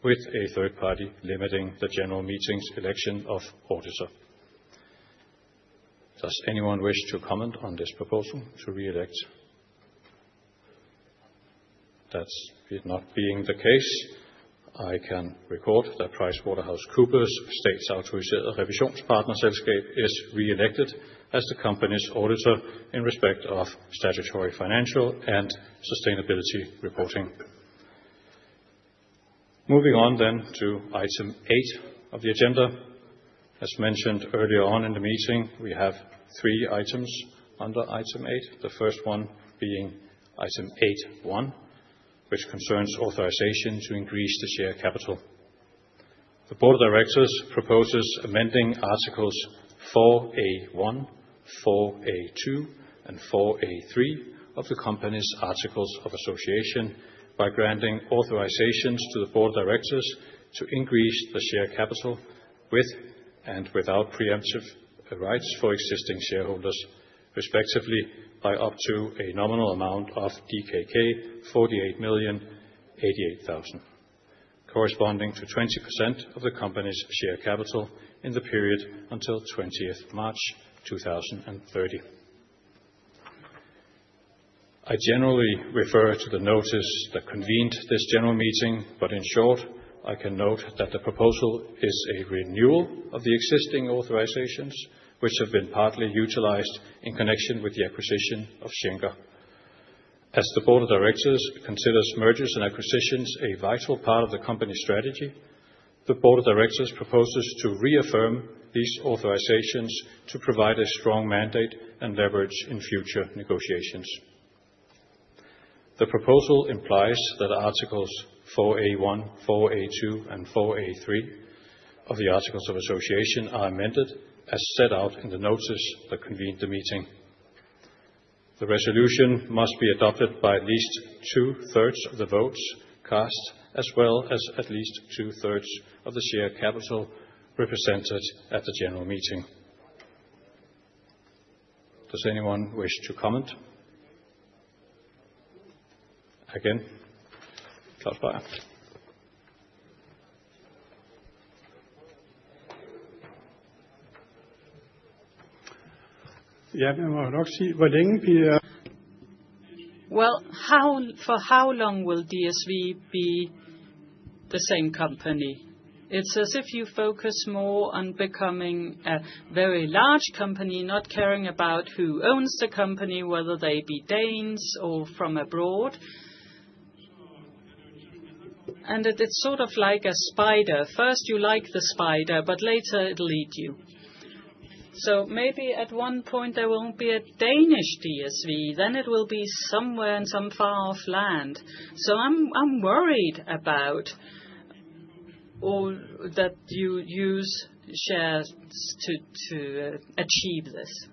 with a third party limiting the general meeting's election of auditor. Does anyone wish to comment on this proposal to re-elect? That not being the case, I can record that PricewaterhouseCoopers statsautoriseret revisionspartnerselskab is re-elected as the company's auditor in respect of statutory financial and sustainability reporting. Moving on then to item eight of the agenda. As mentioned earlier on in the meeting, we have three items under item eight, the first one being item eight one, which concerns authorization to increase the share capital. The board of directors proposes amending articles 4A1, 4A2, and 4A3 of the company's articles of association by granting authorizations to the board of directors to increase the share capital with and without preemptive rights for existing shareholders, respectively by up to a nominal amount of DKK 48,088,000, corresponding to 20% of the company's share capital in the period until 20 March 2030. I generally refer to the notice that convened this general meeting, but in short, I can note that the proposal is a renewal of the existing authorizations, which have been partly utilized in connection with the acquisition of Schenker. As the board of directors considers mergers and acquisitions a vital part of the company's strategy, the board of directors proposes to reaffirm these authorizations to provide a strong mandate and leverage in future negotiations. The proposal implies that articles 4A1, 4A2, and 4A3 of the articles of association are amended as set out in the notice that convened the meeting. The resolution must be adopted by at least two-thirds of the votes cast, as well as at least two-thirds of the share capital represented at the general meeting. Does anyone wish to comment? Again, Klaus Beyer. Ja, jeg må nok sige, hvor længe vi. For how long will DSV be the same company? It's as if you focus more on becoming a very large company, not caring about who owns the company, whether they be Danes or from abroad. It's sort of like a spider. First, you like the spider, but later it'll eat you. Maybe at one point there won't be a Danish DSV. It will be somewhere in some far-off land. I'm worried about that you use shares to achieve this.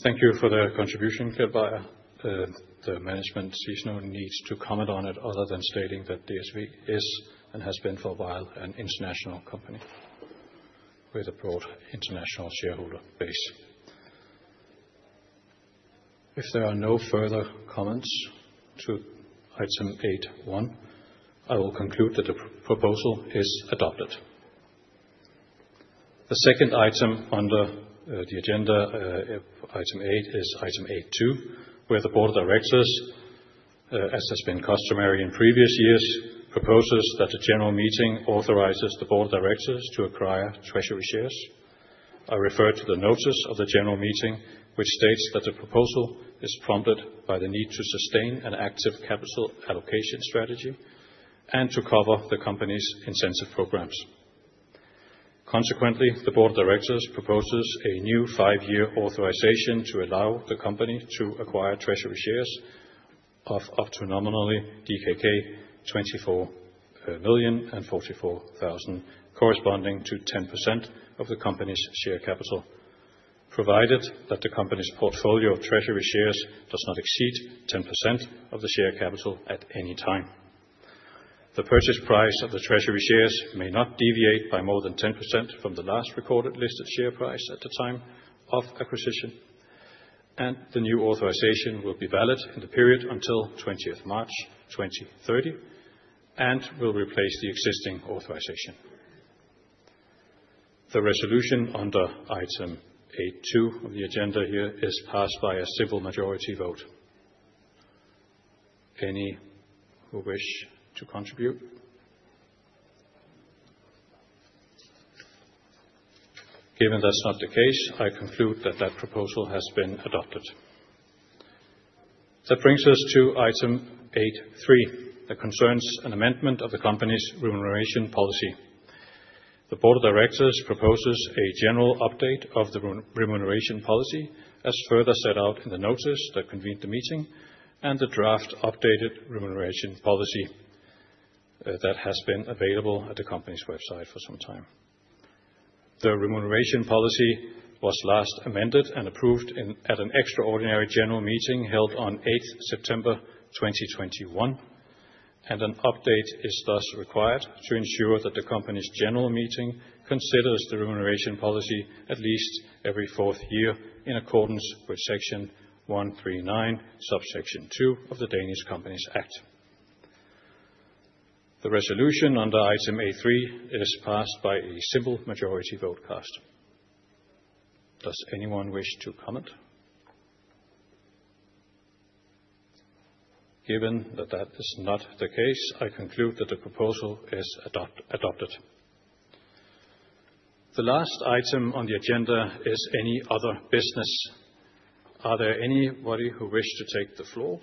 Thank you for the contribution, Kjeld Beyer. The management sees no need to comment on it other than stating that DSV is and has been for a while an international company with a broad international shareholder base. If there are no further comments to item eight one, I will conclude that the proposal is adopted. The second item under the agenda, item eight, is item eight two, where the board of directors, as has been customary in previous years, proposes that the general meeting authorizes the board of directors to acquire treasury shares. I refer to the notice of the general meeting, which states that the proposal is prompted by the need to sustain an active capital allocation strategy and to cover the company's incentive programs. Consequently, the board of directors proposes a new five-year authorization to allow the company to acquire treasury shares of up to nominally 24,044,000, corresponding to 10% of the company's share capital, provided that the company's portfolio of treasury shares does not exceed 10% of the share capital at any time. The purchase price of the treasury shares may not deviate by more than 10% from the last recorded listed share price at the time of acquisition, and the new authorization will be valid in the period until 20 March 2030 and will replace the existing authorization. The resolution under item eight two of the agenda here is passed by a civil majority vote. Any who wish to contribute? Given that's not the case, I conclude that that proposal has been adopted. That brings us to item eight three, that concerns an amendment of the company's remuneration policy. The board of directors proposes a general update of the remuneration policy as further set out in the notice that convened the meeting and the draft updated remuneration policy that has been available at the company's website for some time. The remuneration policy was last amended and approved at an extraordinary general meeting held on 8 September 2021, and an update is thus required to ensure that the company's general meeting considers the remuneration policy at least every fourth year in accordance with section 139, subsection 2 of the Danish Companies Act. The resolution under item eight three is passed by a civil majority vote cast. Does anyone wish to comment? Given that that is not the case, I conclude that the proposal is adopted. The last item on the agenda is any other business. Are there any who wish to take the floor?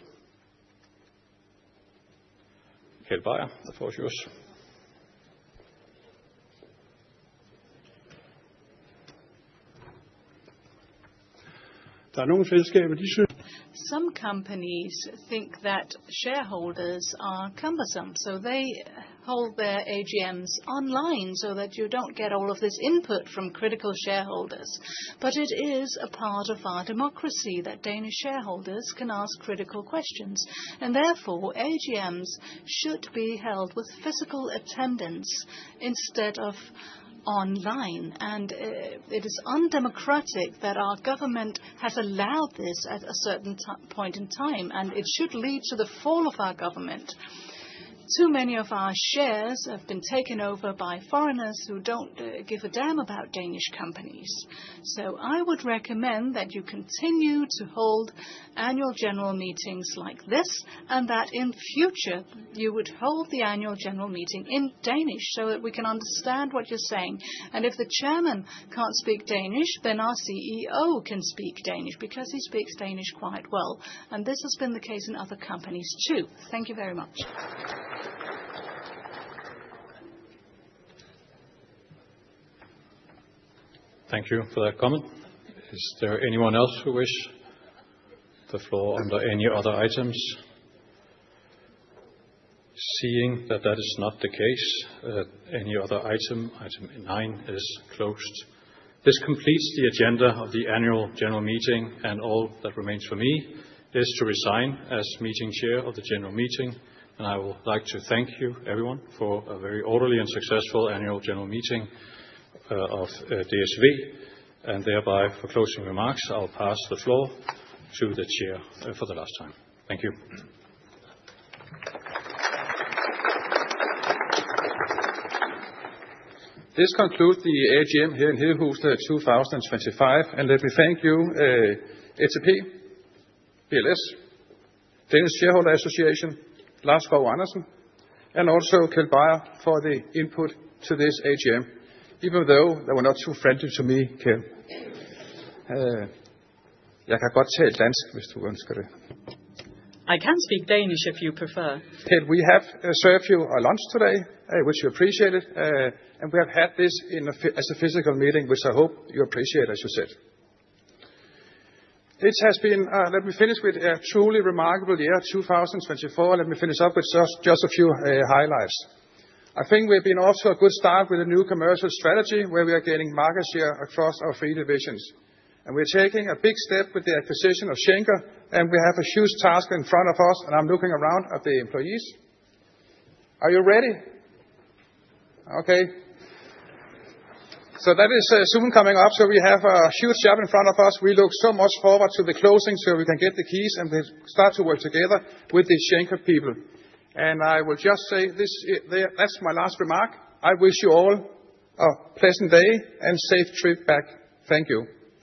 Kjeld Beyer, the floor is yours. are some companies. Some companies think that shareholders are cumbersome, so they hold their AGMs online so that you do not get all of this input from critical shareholders. It is a part of our democracy that Danish shareholders can ask critical questions, and therefore AGMs should be held with physical attendance instead of online. It is undemocratic that our government has allowed this at a certain point in time, and it should lead to the fall of our government. Too many of our shares have been taken over by foreigners who do not give a damn about Danish companies. I would recommend that you continue to hold annual general meetings like this and that in future you would hold the annual general meeting in Danish so that we can understand what you are saying. If the chairman cannot speak Danish, then our CEO can speak Danish because he speaks Danish quite well. This has been the case in other companies too. Thank you very much. Thank you for that comment. Is there anyone else who wish the floor under any other items? Seeing that that is not the case, any other item, item nine is closed. This completes the agenda of the annual general meeting, and all that remains for me is to resign as meeting chair of the general meeting. I would like to thank you everyone for a very orderly and successful annual general meeting of DSV. Thereby, for closing remarks, I will pass the floor to the chair for the last time. Thank you. This concludes the AGM here in Hedehusene 2025, and let me thank you, ATP, BLS Capital, Dansk Aktionærforening, Lars Skov Andersen, and also Kjeld Beyer for the input to this AGM. Even though they were not too friendly to me, Kjeld. Jeg kan godt tale dansk, hvis du ønsker det. I can speak Danish if you prefer. Kjeld, we have served you a lunch today, which you appreciated, and we have had this as a physical meeting, which I hope you appreciate, as you said. It has been, let me finish with a truly remarkable year 2024. Let me finish up with just a few highlights. I think we've been off to a good start with a new commercial strategy where we are gaining market share across our three divisions. We are taking a big step with the acquisition of Schenker, and we have a huge task in front of us. I am looking around at the employees. Are you ready? Okay. That is soon coming up, so we have a huge job in front of us. We look so much forward to the closing so we can get the keys and we start to work together with the Schenker people. I will just say this, that is my last remark. I wish you all a pleasant day and a safe trip back. Thank you.